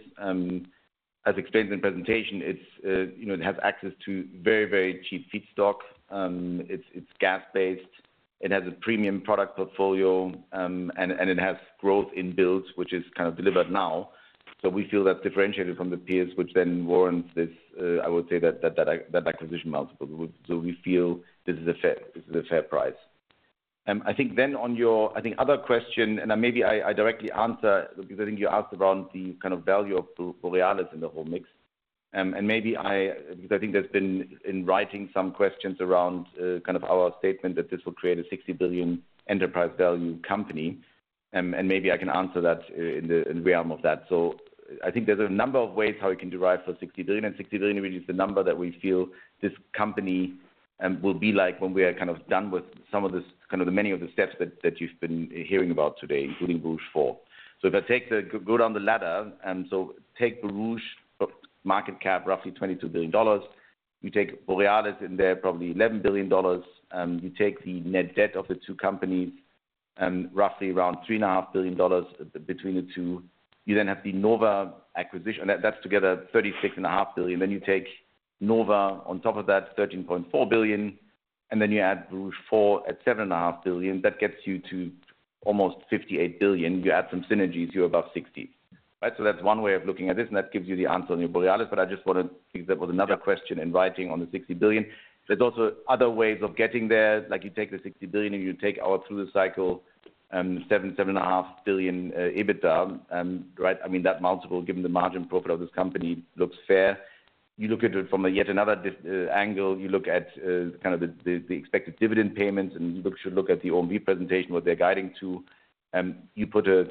S4: As explained in the presentation, it has access to very, very cheap feedstock. It's gas-based. It has a premium product portfolio, and it has growth in builds, which is kind of delivered now. So we feel that's differentiated from the peers, which then warrants this, I would say, that acquisition multiple. So we feel this is a fair price. I think then on your, I think, other question, and maybe I directly answer because I think you asked around the kind of value of Borealis in the whole mix. Maybe because I think there's been in writing some questions around kind of our statement that this will create a $60 billion enterprise value company. Maybe I can answer that in the realm of that. I think there's a number of ways how we can derive for $60 billion, $60 billion really is the number that we feel this company will be like when we are kind of done with some of the many of the steps that you've been hearing about today, including Borouge 4. If I take, go down the ladder, take Borouge market cap, roughly $22 billion. You take Borealis in there, probably $11 billion. You take the net debt of the two companies, roughly around $3.5 billion between the two. You then have the Nova acquisition. That's together $36.5 billion. Then you take Nova on top of that, $13.4 billion. And then you add Borouge 4 at $7.5 billion. That gets you to almost $58 billion. You add some synergies, you're above $60. Right? So that's one way of looking at this, and that gives you the answer on your Borealis. But I just wanted to think that was another question in writing on the $60 billion. There's also other ways of getting there. Like you take the $60 billion, and you take our through-the-cycle $7-$7.5 billion EBITDA. Right? I mean, that multiple, given the margin profit of this company, looks fair. You look at it from yet another angle. You look at kind of the expected dividend payments, and you should look at the OMV presentation, what they're guiding to. You put a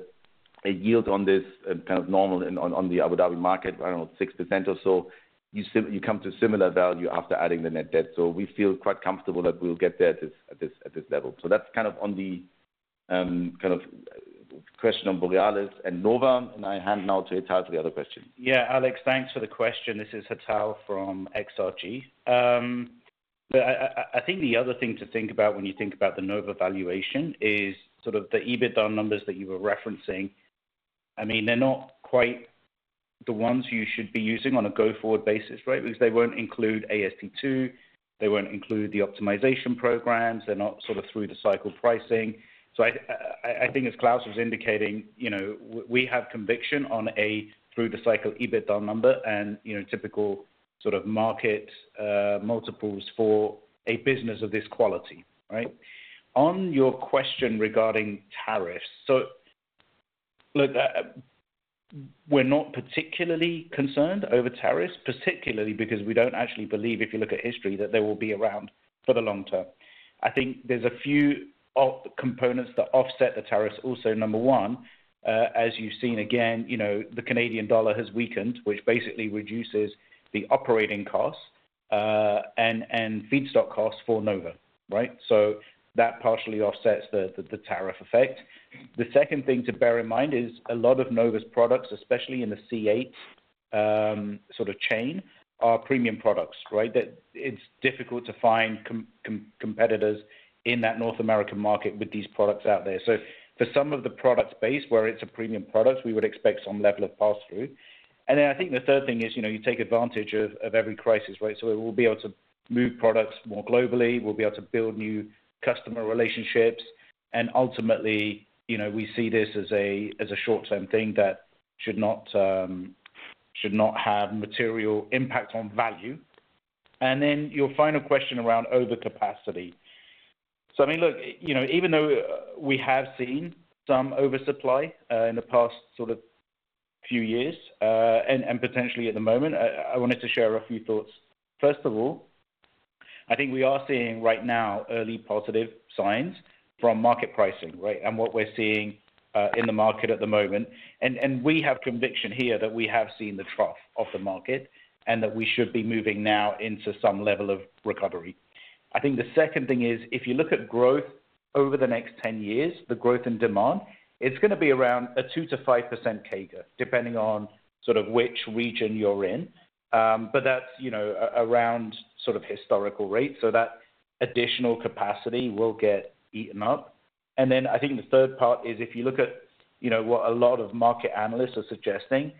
S4: yield on this kind of normal on the Abu Dhabi market, I don't know, 6% or so. You come to similar value after adding the net debt. So we feel quite comfortable that we'll get there at this level. So that's kind of on the kind of question on Borealis and Nova, and I hand now to Hital for the other question.
S3: Yeah, Alex, thanks for the question. This is Hital from XRG. I think the other thing to think about when you think about the Nova valuation is sort of the EBITDA numbers that you were referencing. I mean, they're not quite the ones you should be using on a go-forward basis, right? Because they won't include AST2. They won't include the optimization programs. They're not sort of through-the-cycle pricing. So I think, as Klaus was indicating, we have conviction on a through-the-cycle EBITDA number and typical sort of market multiples for a business of this quality. Right? On your question regarding tariffs, so look, we're not particularly concerned over tariffs, particularly because we don't actually believe, if you look at history, that they will be around for the long term. I think there's a few components that offset the tariffs also. Number one, as you've seen again, the Canadian dollar has weakened, which basically reduces the operating costs and feedstock costs for Nova. Right? So that partially offsets the tariff effect. The second thing to bear in mind is a lot of Nova's products, especially in the C8 sort of chain, are premium products. Right? It's difficult to find competitors in that North American market with these products out there. So for some of the product space where it's a premium product, we would expect some level of pass-through. And then I think the third thing is you take advantage of every crisis. Right? So we will be able to move products more globally. We'll be able to build new customer relationships. And ultimately, we see this as a short-term thing that should not have material impact on value. And then your final question around overcapacity. So I mean, look, even though we have seen some oversupply in the past sort of few years and potentially at the moment, I wanted to share a few thoughts. First of all, I think we are seeing right now early positive signs from market pricing, right, and what we're seeing in the market at the moment. We have conviction here that we have seen the trough of the market and that we should be moving now into some level of recovery. I think the second thing is, if you look at growth over the next 10 years, the growth in demand, it's going to be around a 2%-5% CAGR, depending on sort of which region you're in. But that's around sort of historical rates. So that additional capacity will get eaten up. And then I think the third part is if you look at what a lot of market analysts are suggesting,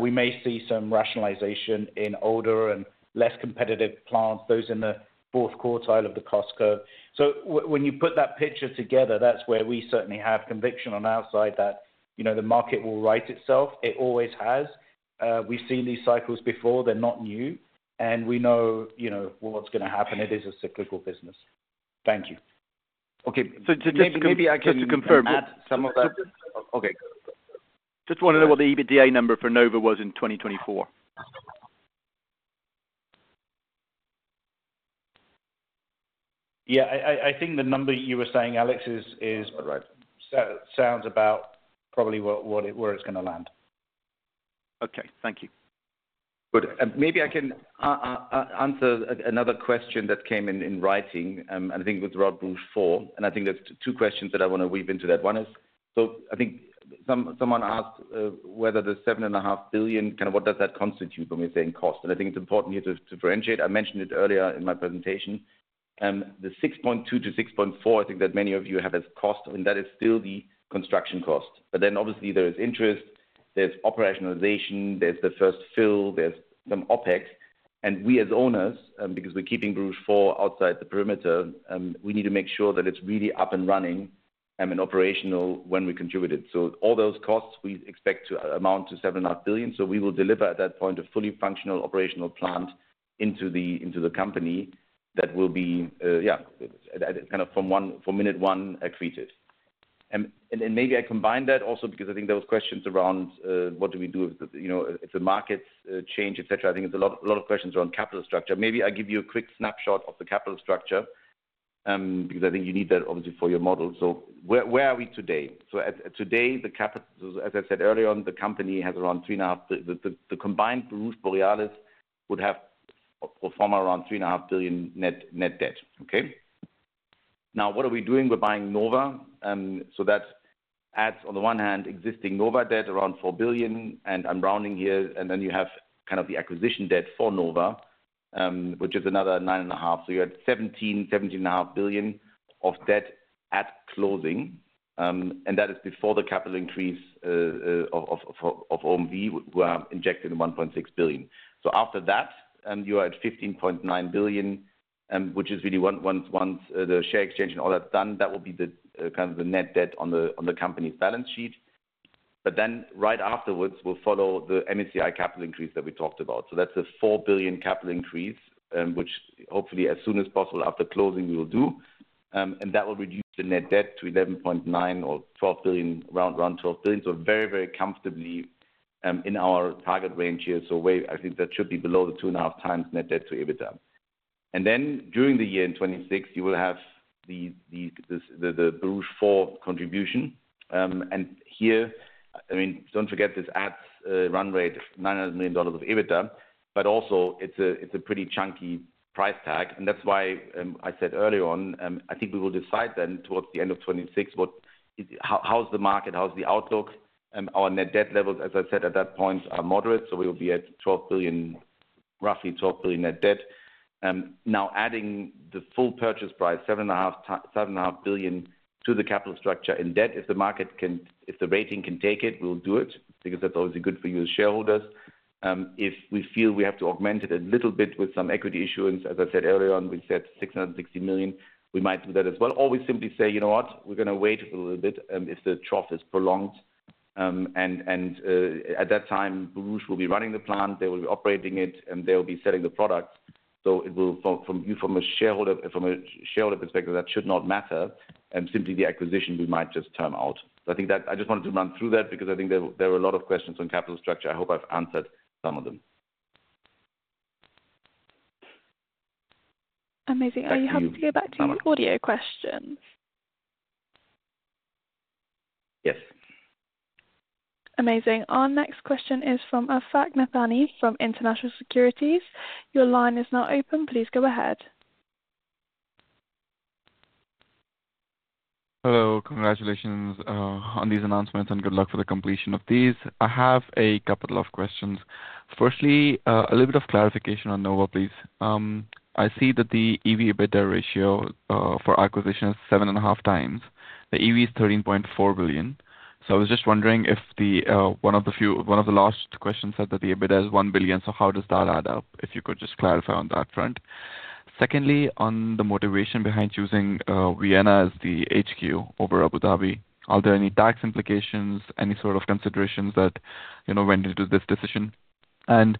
S3: we may see some rationalization in older and less competitive plants, those in the fourth quartile of the cost curve. So when you put that picture together, that's where we certainly have conviction on our side that the market will right itself. It always has. We've seen these cycles before. They're not new. And we know what's going to happen. It is a cyclical business. Thank you.
S8: Just want to know what the EBITDA number for Nova was in 2024.
S3: Yeah. I think the number you were saying, Alex, sounds about probably where it's going to land.
S8: Okay. Thank you.
S3: Good. And maybe I can answer another question that came in writing, I think, with Borouge 4. And I think there's two questions that I want to weave into that. One is, so I think someone asked whether the $7.5 billion, kind of what does that constitute when we're saying cost? And I think it's important here to differentiate. I mentioned it earlier in my presentation. The $6.2-$6.4, I think that many of you have as cost. And that is still the construction cost. But then obviously, there is interest. There's operationalization. There's the first fill. There's some OPEX. And we as owners, because we're keeping Borouge 4 outside the perimeter, we need to make sure that it's really up and running and operational when we contribute it. So all those costs, we expect to amount to $7.5 billion. So we will deliver at that point a fully functional operational plant into the company that will be, yeah, kind of from minute one accretive. And maybe I combine that also because I think there were questions around what do we do if the markets change, etc. I think there's a lot of questions around capital structure. Maybe I'll give you a quick snapshot of the capital structure because I think you need that, obviously, for your model. So where are we today? So today, as I said earlier, the company has around $3.5 billion. The combined Borouge-Borealis would have a form around $3.5 billion net debt. Okay? Now, what are we doing? We're buying Nova. So that adds, on the one hand, existing Nova debt around $4 billion. And I'm rounding here. And then you have kind of the acquisition debt for Nova, which is another $9.5 billion. You're at $17-$17.5 billion of debt at closing. That is before the capital increase of OMV, who are injected in $1.6 billion. After that, you are at $15.9 billion, which is really once the share exchange and all that's done, that will be kind of the net debt on the company's balance sheet. Right afterwards, we'll follow the MSCI capital increase that we talked about. That's a $4 billion capital increase, which hopefully, as soon as possible after closing, we will do. That will reduce the net debt to $11.9-$12 billion, around $12 billion. Very, very comfortably in our target range here. I think that should be below the two and a half times net debt to EBITDA. During the year in 2026, you will have the Borouge 4 contribution. Here, I mean, don't forget this adds run rate of $900 million of EBITDA, but also it's a pretty chunky price tag. That's why I said earlier on, I think we will decide then towards the end of 2026, how's the market, how's the outlook. Our net debt levels, as I said, at that point are moderate. So we will be at roughly $12 billion net debt. Now, adding the full purchase price, $7.5 billion to the capital structure in debt, if the market can, if the rating can take it, we'll do it because that's obviously good for you as shareholders. If we feel we have to augment it a little bit with some equity issuance, as I said earlier, we said $660 million, we might do that as well. Or we simply say, you know what, we're going to wait a little bit if the trough is prolonged. And at that time, Borouge will be running the plant. They will be operating it, and they will be selling the products. So from a shareholder perspective, that should not matter. And simply the acquisition, we might just term out. So I think that I just wanted to run through that because I think there were a lot of questions on capital structure. I hope I've answered some of them.
S1: Amazing. Are you happy to go back to your audio questions?
S3: Yes.
S1: Amazing. Our next question is from Afaq Nathani from International Securities. Your line is now open. Please go ahead.
S9: Hello. Congratulations on these announcements, and good luck for the completion of these. I have a couple of questions. Firstly, a little bit of clarification on Nova, please. I see that the EV/EBITDA ratio for acquisition is seven and a half times. The EV is $13.4 billion. So I was just wondering if one of the last questions said that the EBITDA is $1 billion. So how does that add up? If you could just clarify on that front. Secondly, on the motivation behind choosing Vienna as the HQ over Abu Dhabi, are there any tax implications, any sort of considerations that went into this decision? And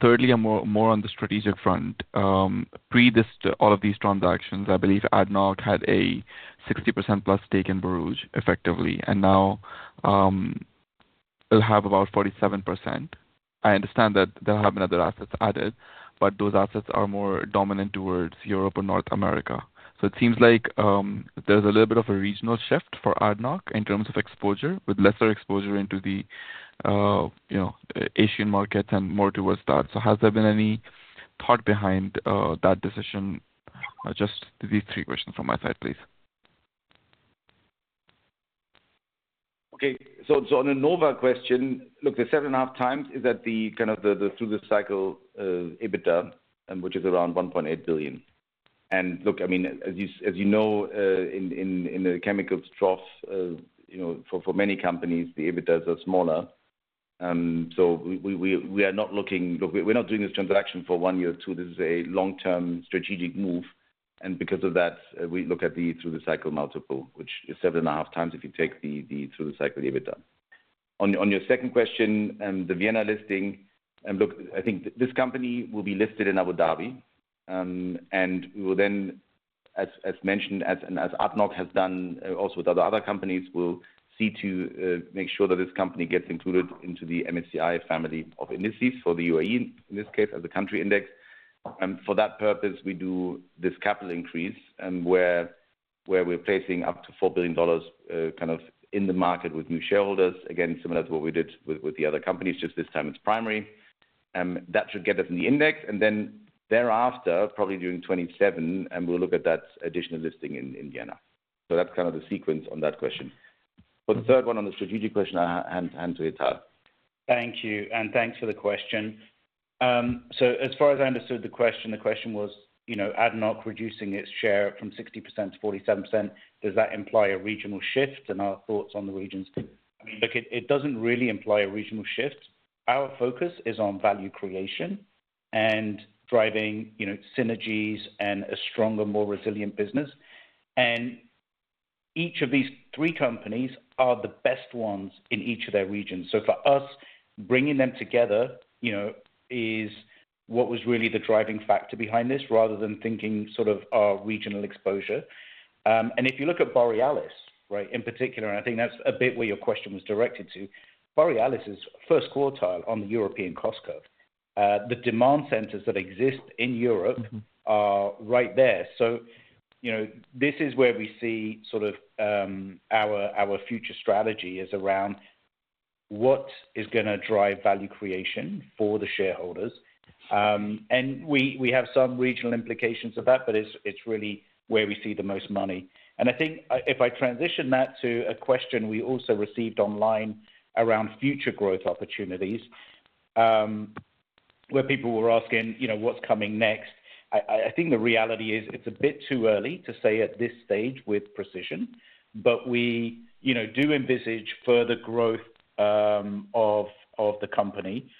S9: thirdly, more on the strategic front. Pre this, all of these transactions, I believe ADNOC had a 60% plus stake in Borouge effectively. And now it'll have about 47%. I understand that there have been other assets added, but those assets are more dominant towards Europe and North America. So it seems like there's a little bit of a regional shift for ADNOC in terms of exposure, with lesser exposure into the Asian markets and more towards that. So has there been any thought behind that decision? Just these three questions from my side, please.
S4: Okay. So, on a Nova question, look, the seven and a half times is at the kind of through-the-cycle EBITDA, which is around $1.8 billion. And look, I mean, as you know, in the chemicals trough, for many companies, the EBITDAs are smaller. So, look, we're not doing this transaction for one year or two. This is a long-term strategic move. And because of that, we look at the through-the-cycle multiple, which is seven and a half times if you take the through-the-cycle EBITDA. On your second question, the Vienna listing, look, I think this company will be listed in Abu Dhabi. And we will then, as mentioned, and as ADNOC has done also with other companies, we'll see to make sure that this company gets included into the MSCI family of indices for the UAE, in this case, as a country index. And for that purpose, we do this capital increase where we're placing up to $4 billion kind of in the market with new shareholders. Again, similar to what we did with the other companies, just this time it's primary. That should get us in the index. And then thereafter, probably during 2027, we'll look at that additional listing in Vienna. So that's kind of the sequence on that question. For the third one on the strategic question, I hand to Hital.
S3: Thank you. And thanks for the question. So as far as I understood the question, the question was ADNOC reducing its share from 60% to 47%. Does that imply a regional shift in our thoughts on the regions? I mean, look, it doesn't really imply a regional shift. Our focus is on value creation and driving synergies and a stronger, more resilient business. And each of these three companies are the best ones in each of their regions. So for us, bringing them together is what was really the driving factor behind this, rather than thinking sort of our regional exposure. And if you look at Borealis, right, in particular, and I think that's a bit where your question was directed to, Borealis is first quartile on the European cost curve. The demand centers that exist in Europe are right there. This is where we see sort of our future strategy is around what is going to drive value creation for the shareholders. We have some regional implications of that, but it's really where we see the most money. I think if I transition that to a question we also received online around future growth opportunities, where people were asking what's coming next, I think the reality is it's a bit too early to say at this stage with precision, but we do envisage further growth of the company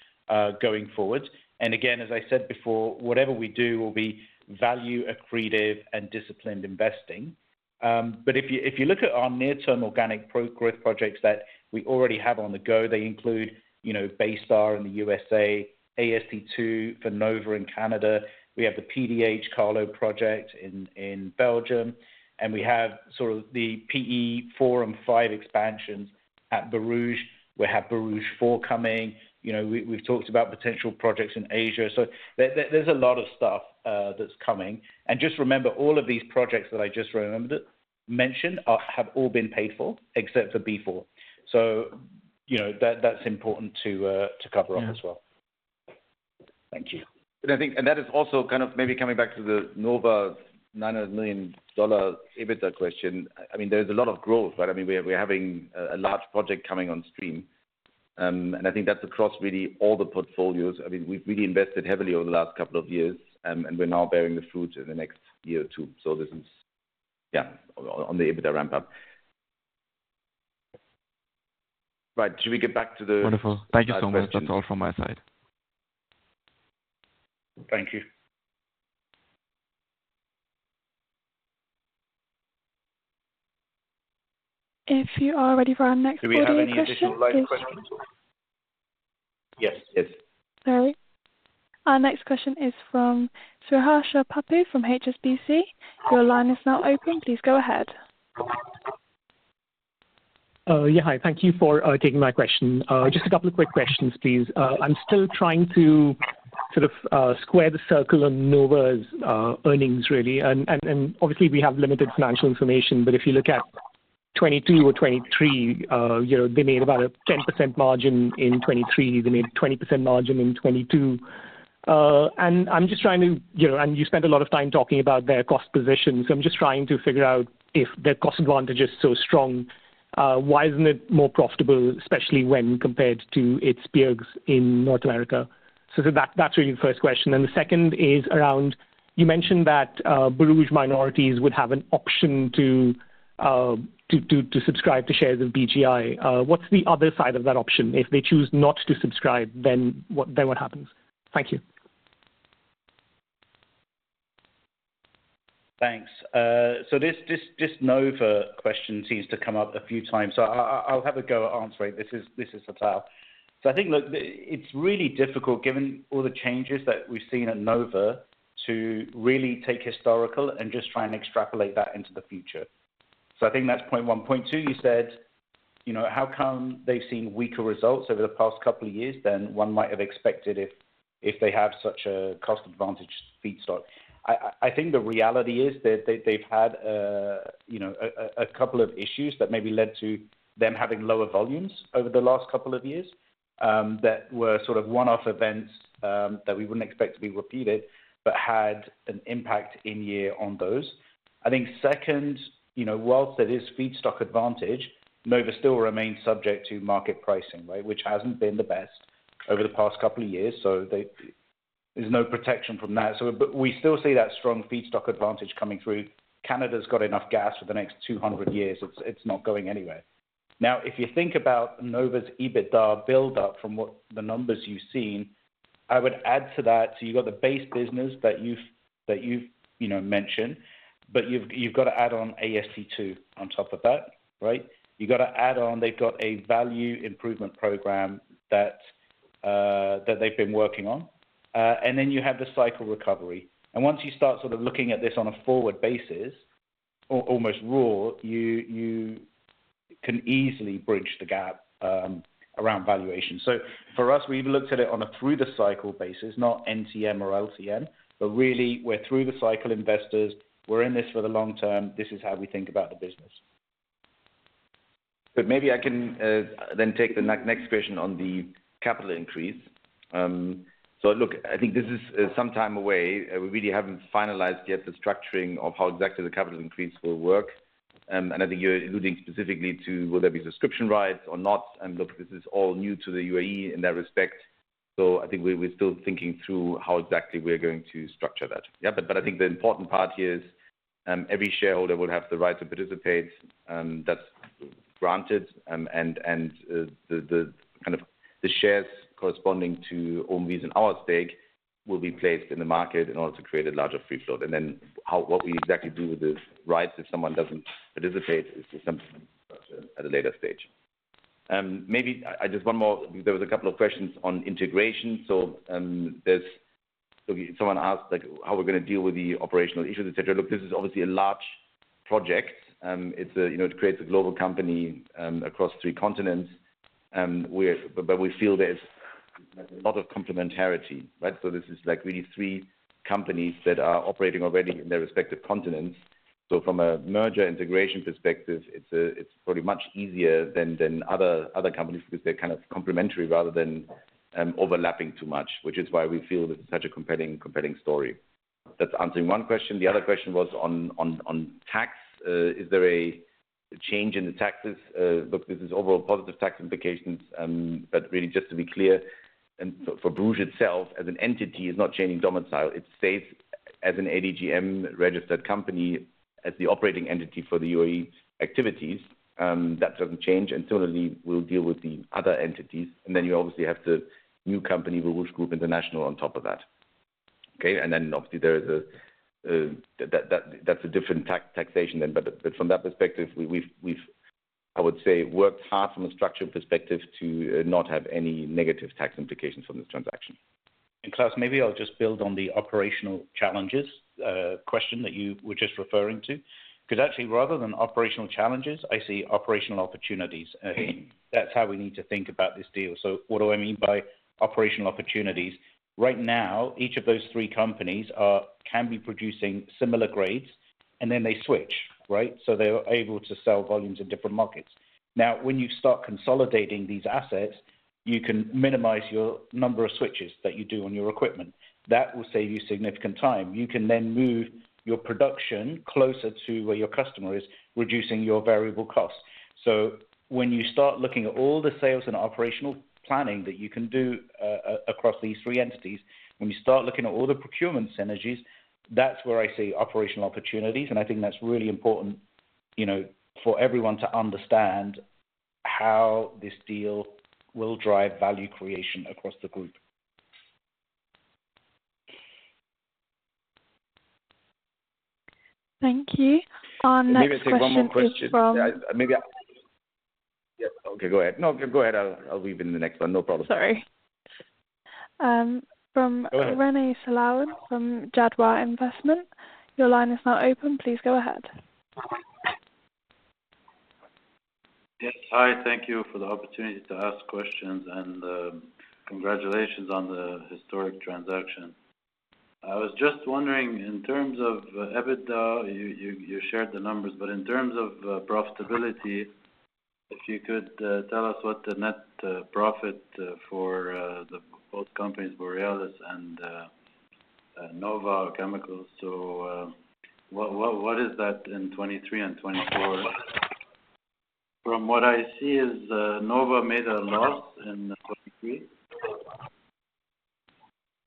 S3: going forward. Again, as I said before, whatever we do will be value-accretive and disciplined investing. If you look at our near-term organic growth projects that we already have on the go, they include Baystar in the USA, AST2 for Nova in Canada. We have the PDH-Kallo project in Belgium. And we have sort of the PE4 and PE5 expansions at Borouge. We have Borouge IV coming. We've talked about potential projects in Asia. So there's a lot of stuff that's coming. And just remember, all of these projects that I just mentioned have all been paid for, except for B4. So that's important to cover up as well. Thank you.
S4: I think, and that is also kind of maybe coming back to the Nova $900 million EBITDA question. I mean, there is a lot of growth, right? I mean, we're having a large project coming on stream. And I think that's across really all the portfolios. I mean, we've really invested heavily over the last couple of years, and we're now bearing the fruit in the next year or two. So this is, yeah, on the EBITDA ramp-up. Right. Should we get back to the?
S3: Wonderful. Thank you so much. That's all from my side.
S9: Thank you.
S1: If you are ready for our next question.
S3: Do we have any additional live questions?
S5: Yes. Yes.
S1: Sorry. Our next question is from Sriharsha Pappu from HSBC. Your line is now open. Please go ahead.
S10: Yeah. Hi. Thank you for taking my question. Just a couple of quick questions, please. I'm still trying to sort of square the circle on Nova's earnings, really. And obviously, we have limited financial information, but if you look at 2022 or 2023, they made about a 10% margin in 2023. They made a 20% margin in 2022. And I'm just trying to, and you spent a lot of time talking about their cost position. So I'm just trying to figure out if their cost advantage is so strong, why isn't it more profitable, especially when compared to its peers in North America? So that's really the first question. And the second is around, you mentioned that Borouge minorities would have an option to subscribe to shares of BGI. What's the other side of that option? If they choose not to subscribe, then what happens? Thank you.
S3: Thanks. So this Nova question seems to come up a few times. So I'll have a go at answering this. This is Hital. So I think, look, it's really difficult, given all the changes that we've seen at Nova, to really take historical and just try and extrapolate that into the future. So I think that's point one. Point two, you said how come they've seen weaker results over the past couple of years than one might have expected if they have such a cost-advantage feedstock? I think the reality is that they've had a couple of issues that maybe led to them having lower volumes over the last couple of years that were sort of one-off events that we wouldn't expect to be repeated, but had an impact in year on those. I think second, while there is feedstock advantage, Nova still remains subject to market pricing, right, which hasn't been the best over the past couple of years. So there's no protection from that. So we still see that strong feedstock advantage coming through. Canada's got enough gas for the next 200 years. It's not going anywhere. Now, if you think about Nova's EBITDA build-up from what the numbers you've seen, I would add to that. So you've got the base business that you've mentioned, but you've got to add on AST2 on top of that, right? You've got to add on they've got a value improvement program that they've been working on. And then you have the cycle recovery. And once you start sort of looking at this on a forward basis, almost raw, you can easily bridge the gap around valuation. So for us, we even looked at it on a through-the-cycle basis, not NTM or LTM, but really, we're through-the-cycle investors. We're in this for the long term. This is how we think about the business.
S4: But maybe I can then take the next question on the capital increase. So look, I think this is some time away. We really haven't finalized yet the structuring of how exactly the capital increase will work. And I think you're alluding specifically to whether there'll be subscription rights or not. And look, this is all new to the UAE in that respect. So I think we're still thinking through how exactly we're going to structure that. Yeah. But I think the important part here is every shareholder will have the right to participate. That's granted. And the kind of the shares corresponding to OMV's and our stake will be placed in the market in order to create a larger free float. And then what we exactly do with the rights if someone doesn't participate is to simply structure at a later stage. Maybe I just one more. There was a couple of questions on integration. Someone asked how we're going to deal with the operational issues, etc. Look, this is obviously a large project. It creates a global company across three continents. We feel there's a lot of complementarity, right? This is like really three companies that are operating already in their respective continents. From a merger integration perspective, it's probably much easier than other companies because they're kind of complementary rather than overlapping too much, which is why we feel this is such a compelling story. That's answering one question. The other question was on tax. Is there a change in the taxes? Look, this is overall positive tax implications. Really, just to be clear, for Borouge itself, as an entity, it's not changing domicile. It stays as an ADGM-registered company as the operating entity for the UAE activities. That doesn't change. And similarly, we'll deal with the other entities. And then you obviously have the new company, Borouge Group International, on top of that. Okay? And then obviously, there is. That's a different taxation then. But from that perspective, we've, I would say, worked hard from a structural perspective to not have any negative tax implications from this transaction.
S3: And Klaus, maybe I'll just build on the operational challenges question that you were just referring to. Because actually, rather than operational challenges, I see operational opportunities. That's how we need to think about this deal. So what do I mean by operational opportunities? Right now, each of those three companies can be producing similar grades, and then they switch, right? So they're able to sell volumes in different markets. Now, when you start consolidating these assets, you can minimize your number of switches that you do on your equipment. That will save you significant time. You can then move your production closer to where your customer is, reducing your variable costs. So when you start looking at all the sales and operational planning that you can do across these three entities, when you start looking at all the procurement synergies, that's where I see operational opportunities. I think that's really important for everyone to understand how this deal will drive value creation across the group.
S1: Thank you. On next questions.
S3: Maybe it's the wrong one question. Yeah. Okay. Go ahead. No, go ahead. I'll weave in the next one. No problem.
S1: Sorry. From Rany Salwan from Jadwa Investment. Your line is now open. Please go ahead.
S11: Yes. Hi. Thank you for the opportunity to ask questions. And congratulations on the historic transaction. I was just wondering, in terms of EBITDA, you shared the numbers, but in terms of profitability, if you could tell us what the net profit for both companies, Borealis and Nova Chemicals. So what is that in 2023 and 2024? From what I see, Nova made a loss in 2023.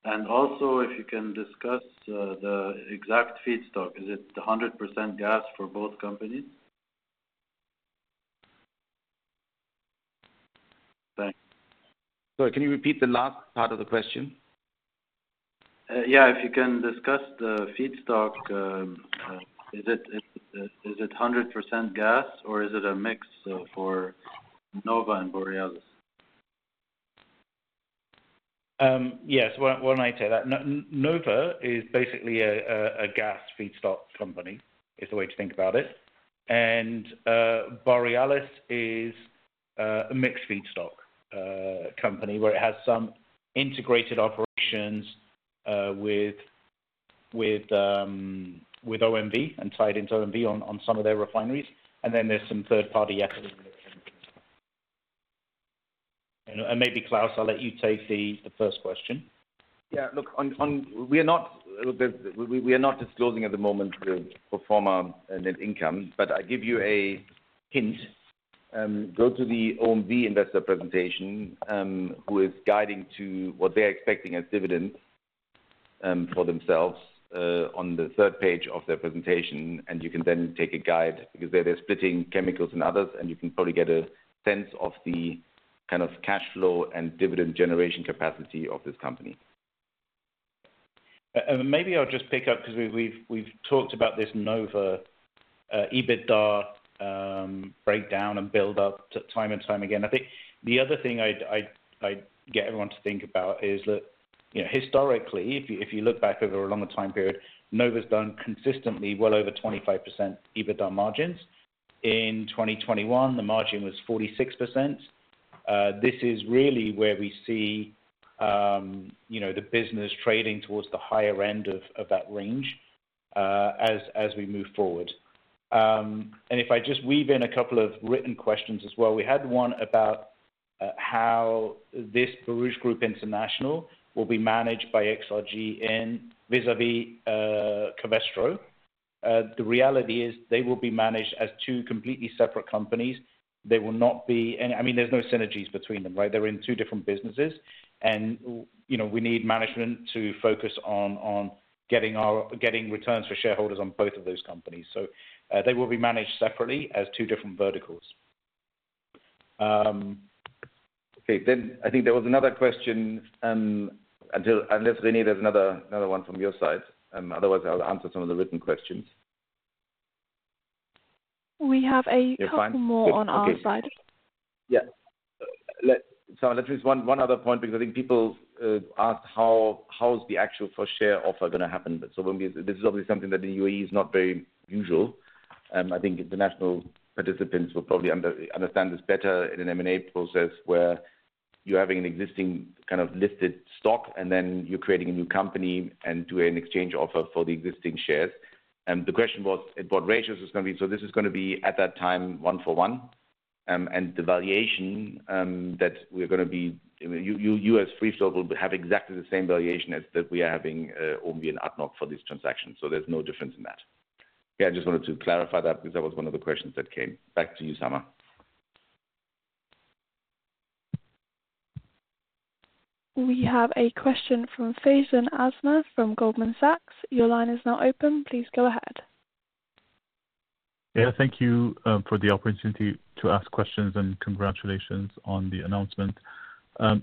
S11: And also, if you can discuss the exact feedstock, is it 100% gas for both companies? Thanks.
S3: Sorry. Can you repeat the last part of the question?
S11: Yeah. If you can discuss the feedstock, is it 100% gas, or is it a mix for Nova and Borealis?
S3: Yes. Why don't I say that? Nova is basically a gas feedstock company is the way to think about it. And Borealis is a mixed feedstock company where it has some integrated operations with OMV and tied into OMV on some of their refineries. And then there's some third-party equity relations. And maybe, Klaus, I'll let you take the first question.
S4: Yeah. Look, we are not disclosing at the moment the pro forma net income, but I give you a hint. Go to the OMV investor presentation who is guiding to what they're expecting as dividends for themselves on the third page of their presentation, and you can then take a guide because they're splitting chemicals and others, and you can probably get a sense of the kind of cash flow and dividend generation capacity of this company.
S3: Maybe I'll just pick up because we've talked about this Nova EBITDA breakdown and build-up time and time again. I think the other thing I'd get everyone to think about is that historically, if you look back over a longer time period, Nova's done consistently well over 25% EBITDA margins. In 2021, the margin was 46%. This is really where we see the business trading towards the higher end of that range as we move forward. And if I just weave in a couple of written questions as well. We had one about how this Borouge Group International will be managed by XRG vis-à-vis Covestro. The reality is they will be managed as two completely separate companies. They will not be I mean, there's no synergies between them, right? They're in two different businesses. And we need management to focus on getting returns for shareholders on both of those companies. They will be managed separately as two different verticals. Okay. Then I think there was another question. Unless, Rany, there's another one from your side. Otherwise, I'll answer some of the written questions.
S1: We have a couple more on our side.
S3: Yeah. Sorry. Let me just one other point because I think people asked how's the actual first share offer going to happen. So this is obviously something that in the UAE is not very usual. I think international participants will probably understand this better in an M&A process where you're having an existing kind of listed stock, and then you're creating a new company and doing an exchange offer for the existing shares. And the question was what ratios it's going to be. So this is going to be, at that time, one for one. And the valuation that we're going to be using as free float will have exactly the same valuation as that we are having OMV and ADNOC for this transaction. So there's no difference in that. Yeah. I just wanted to clarify that because that was one of the questions that came back to you, Samar.
S1: We have a question from Faisal Al Azmeh from Goldman Sachs. Your line is now open. Please go ahead.
S12: Yeah. Thank you for the opportunity to ask questions, and congratulations on the announcement.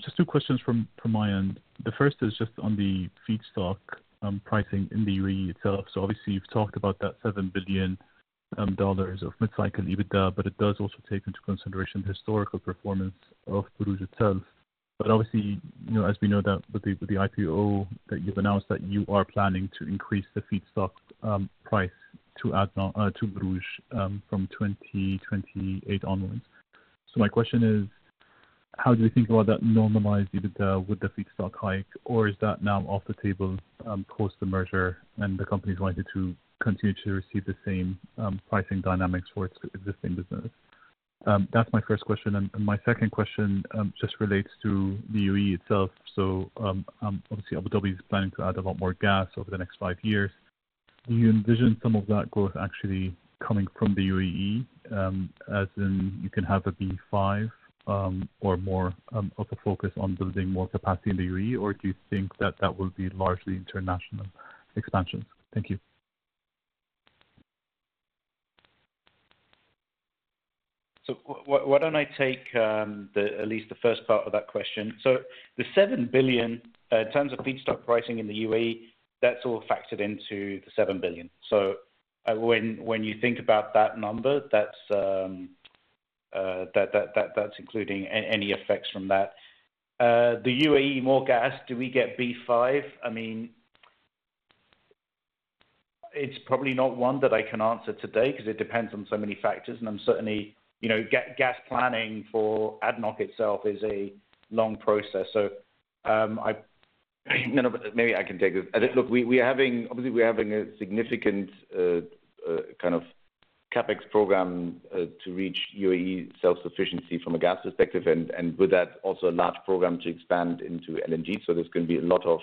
S12: Just two questions from my end. The first is just on the feedstock pricing in the UAE itself. So obviously, you've talked about that $7 billion of mid-cycle EBITDA, but it does also take into consideration the historical performance of Borouge itself. But obviously, as we know that with the IPO that you've announced that you are planning to increase the feedstock price to Borouge from 2028 onwards. So my question is, how do you think about that normalized EBITDA with the feedstock hike? Or is that now off the table post the merger and the company is wanting to continue to receive the same pricing dynamics for its existing business? That's my first question. And my second question just relates to the UAE itself. So obviously, Abu Dhabi is planning to add a lot more gas over the next five years. Do you envision some of that growth actually coming from the UAE, as in you can have a Borouge 5 or more of a focus on building more capacity in the UAE, or do you think that that will be largely international expansions? Thank you.
S3: Why don't I take at least the first part of that question? So the $7 billion, in terms of feedstock pricing in the UAE, that's all factored into the $7 billion. So when you think about that number, that's including any effects from that. The UAE, more gas, do we get B5? I mean, it's probably not one that I can answer today because it depends on so many factors. And certainly, gas planning for ADNOC itself is a long process. So maybe I can take this. Look, obviously, we're having a significant kind of CapEx program to reach UAE self-sufficiency from a gas perspective. And with that, also a large program to expand into LNG. So there's going to be a lot of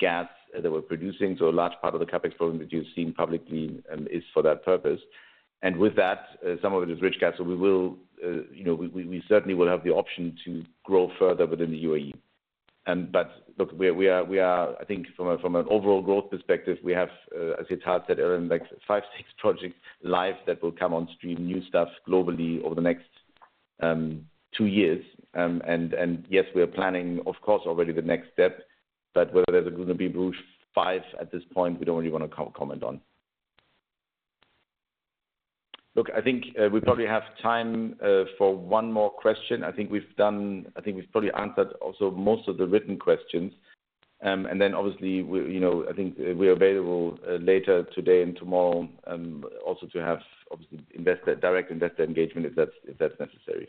S3: gas that we're producing. So a large part of the CapEx program that you've seen publicly is for that purpose. With that, some of it is rich gas. So we will certainly have the option to grow further within the UAE. But look, I think from an overall growth perspective, we have, as you had said, Aaron, like five, six projects live that will come on stream, new stuff globally over the next two years. And yes, we are planning, of course, already the next step. But whether there's going to be Borouge five at this point, we don't really want to comment on. Look, I think we probably have time for one more question. I think we've probably answered also most of the written questions. And then obviously, I think we're available later today and tomorrow also to have obviously direct investor engagement if that's necessary.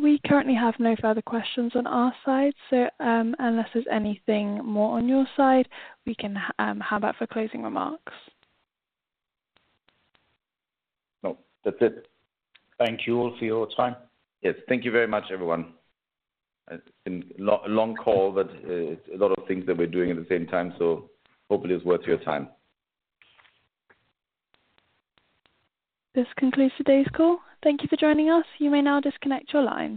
S1: We currently have no further questions on our side. So unless there's anything more on your side, we can hand that for closing remarks.
S3: No. That's it.
S4: Thank you all for your time.
S3: Yes. Thank you very much, everyone. It's been a long call, but it's a lot of things that we're doing at the same time. So hopefully, it's worth your time.
S1: This concludes today's call. Thank you for joining us. You may now disconnect your line.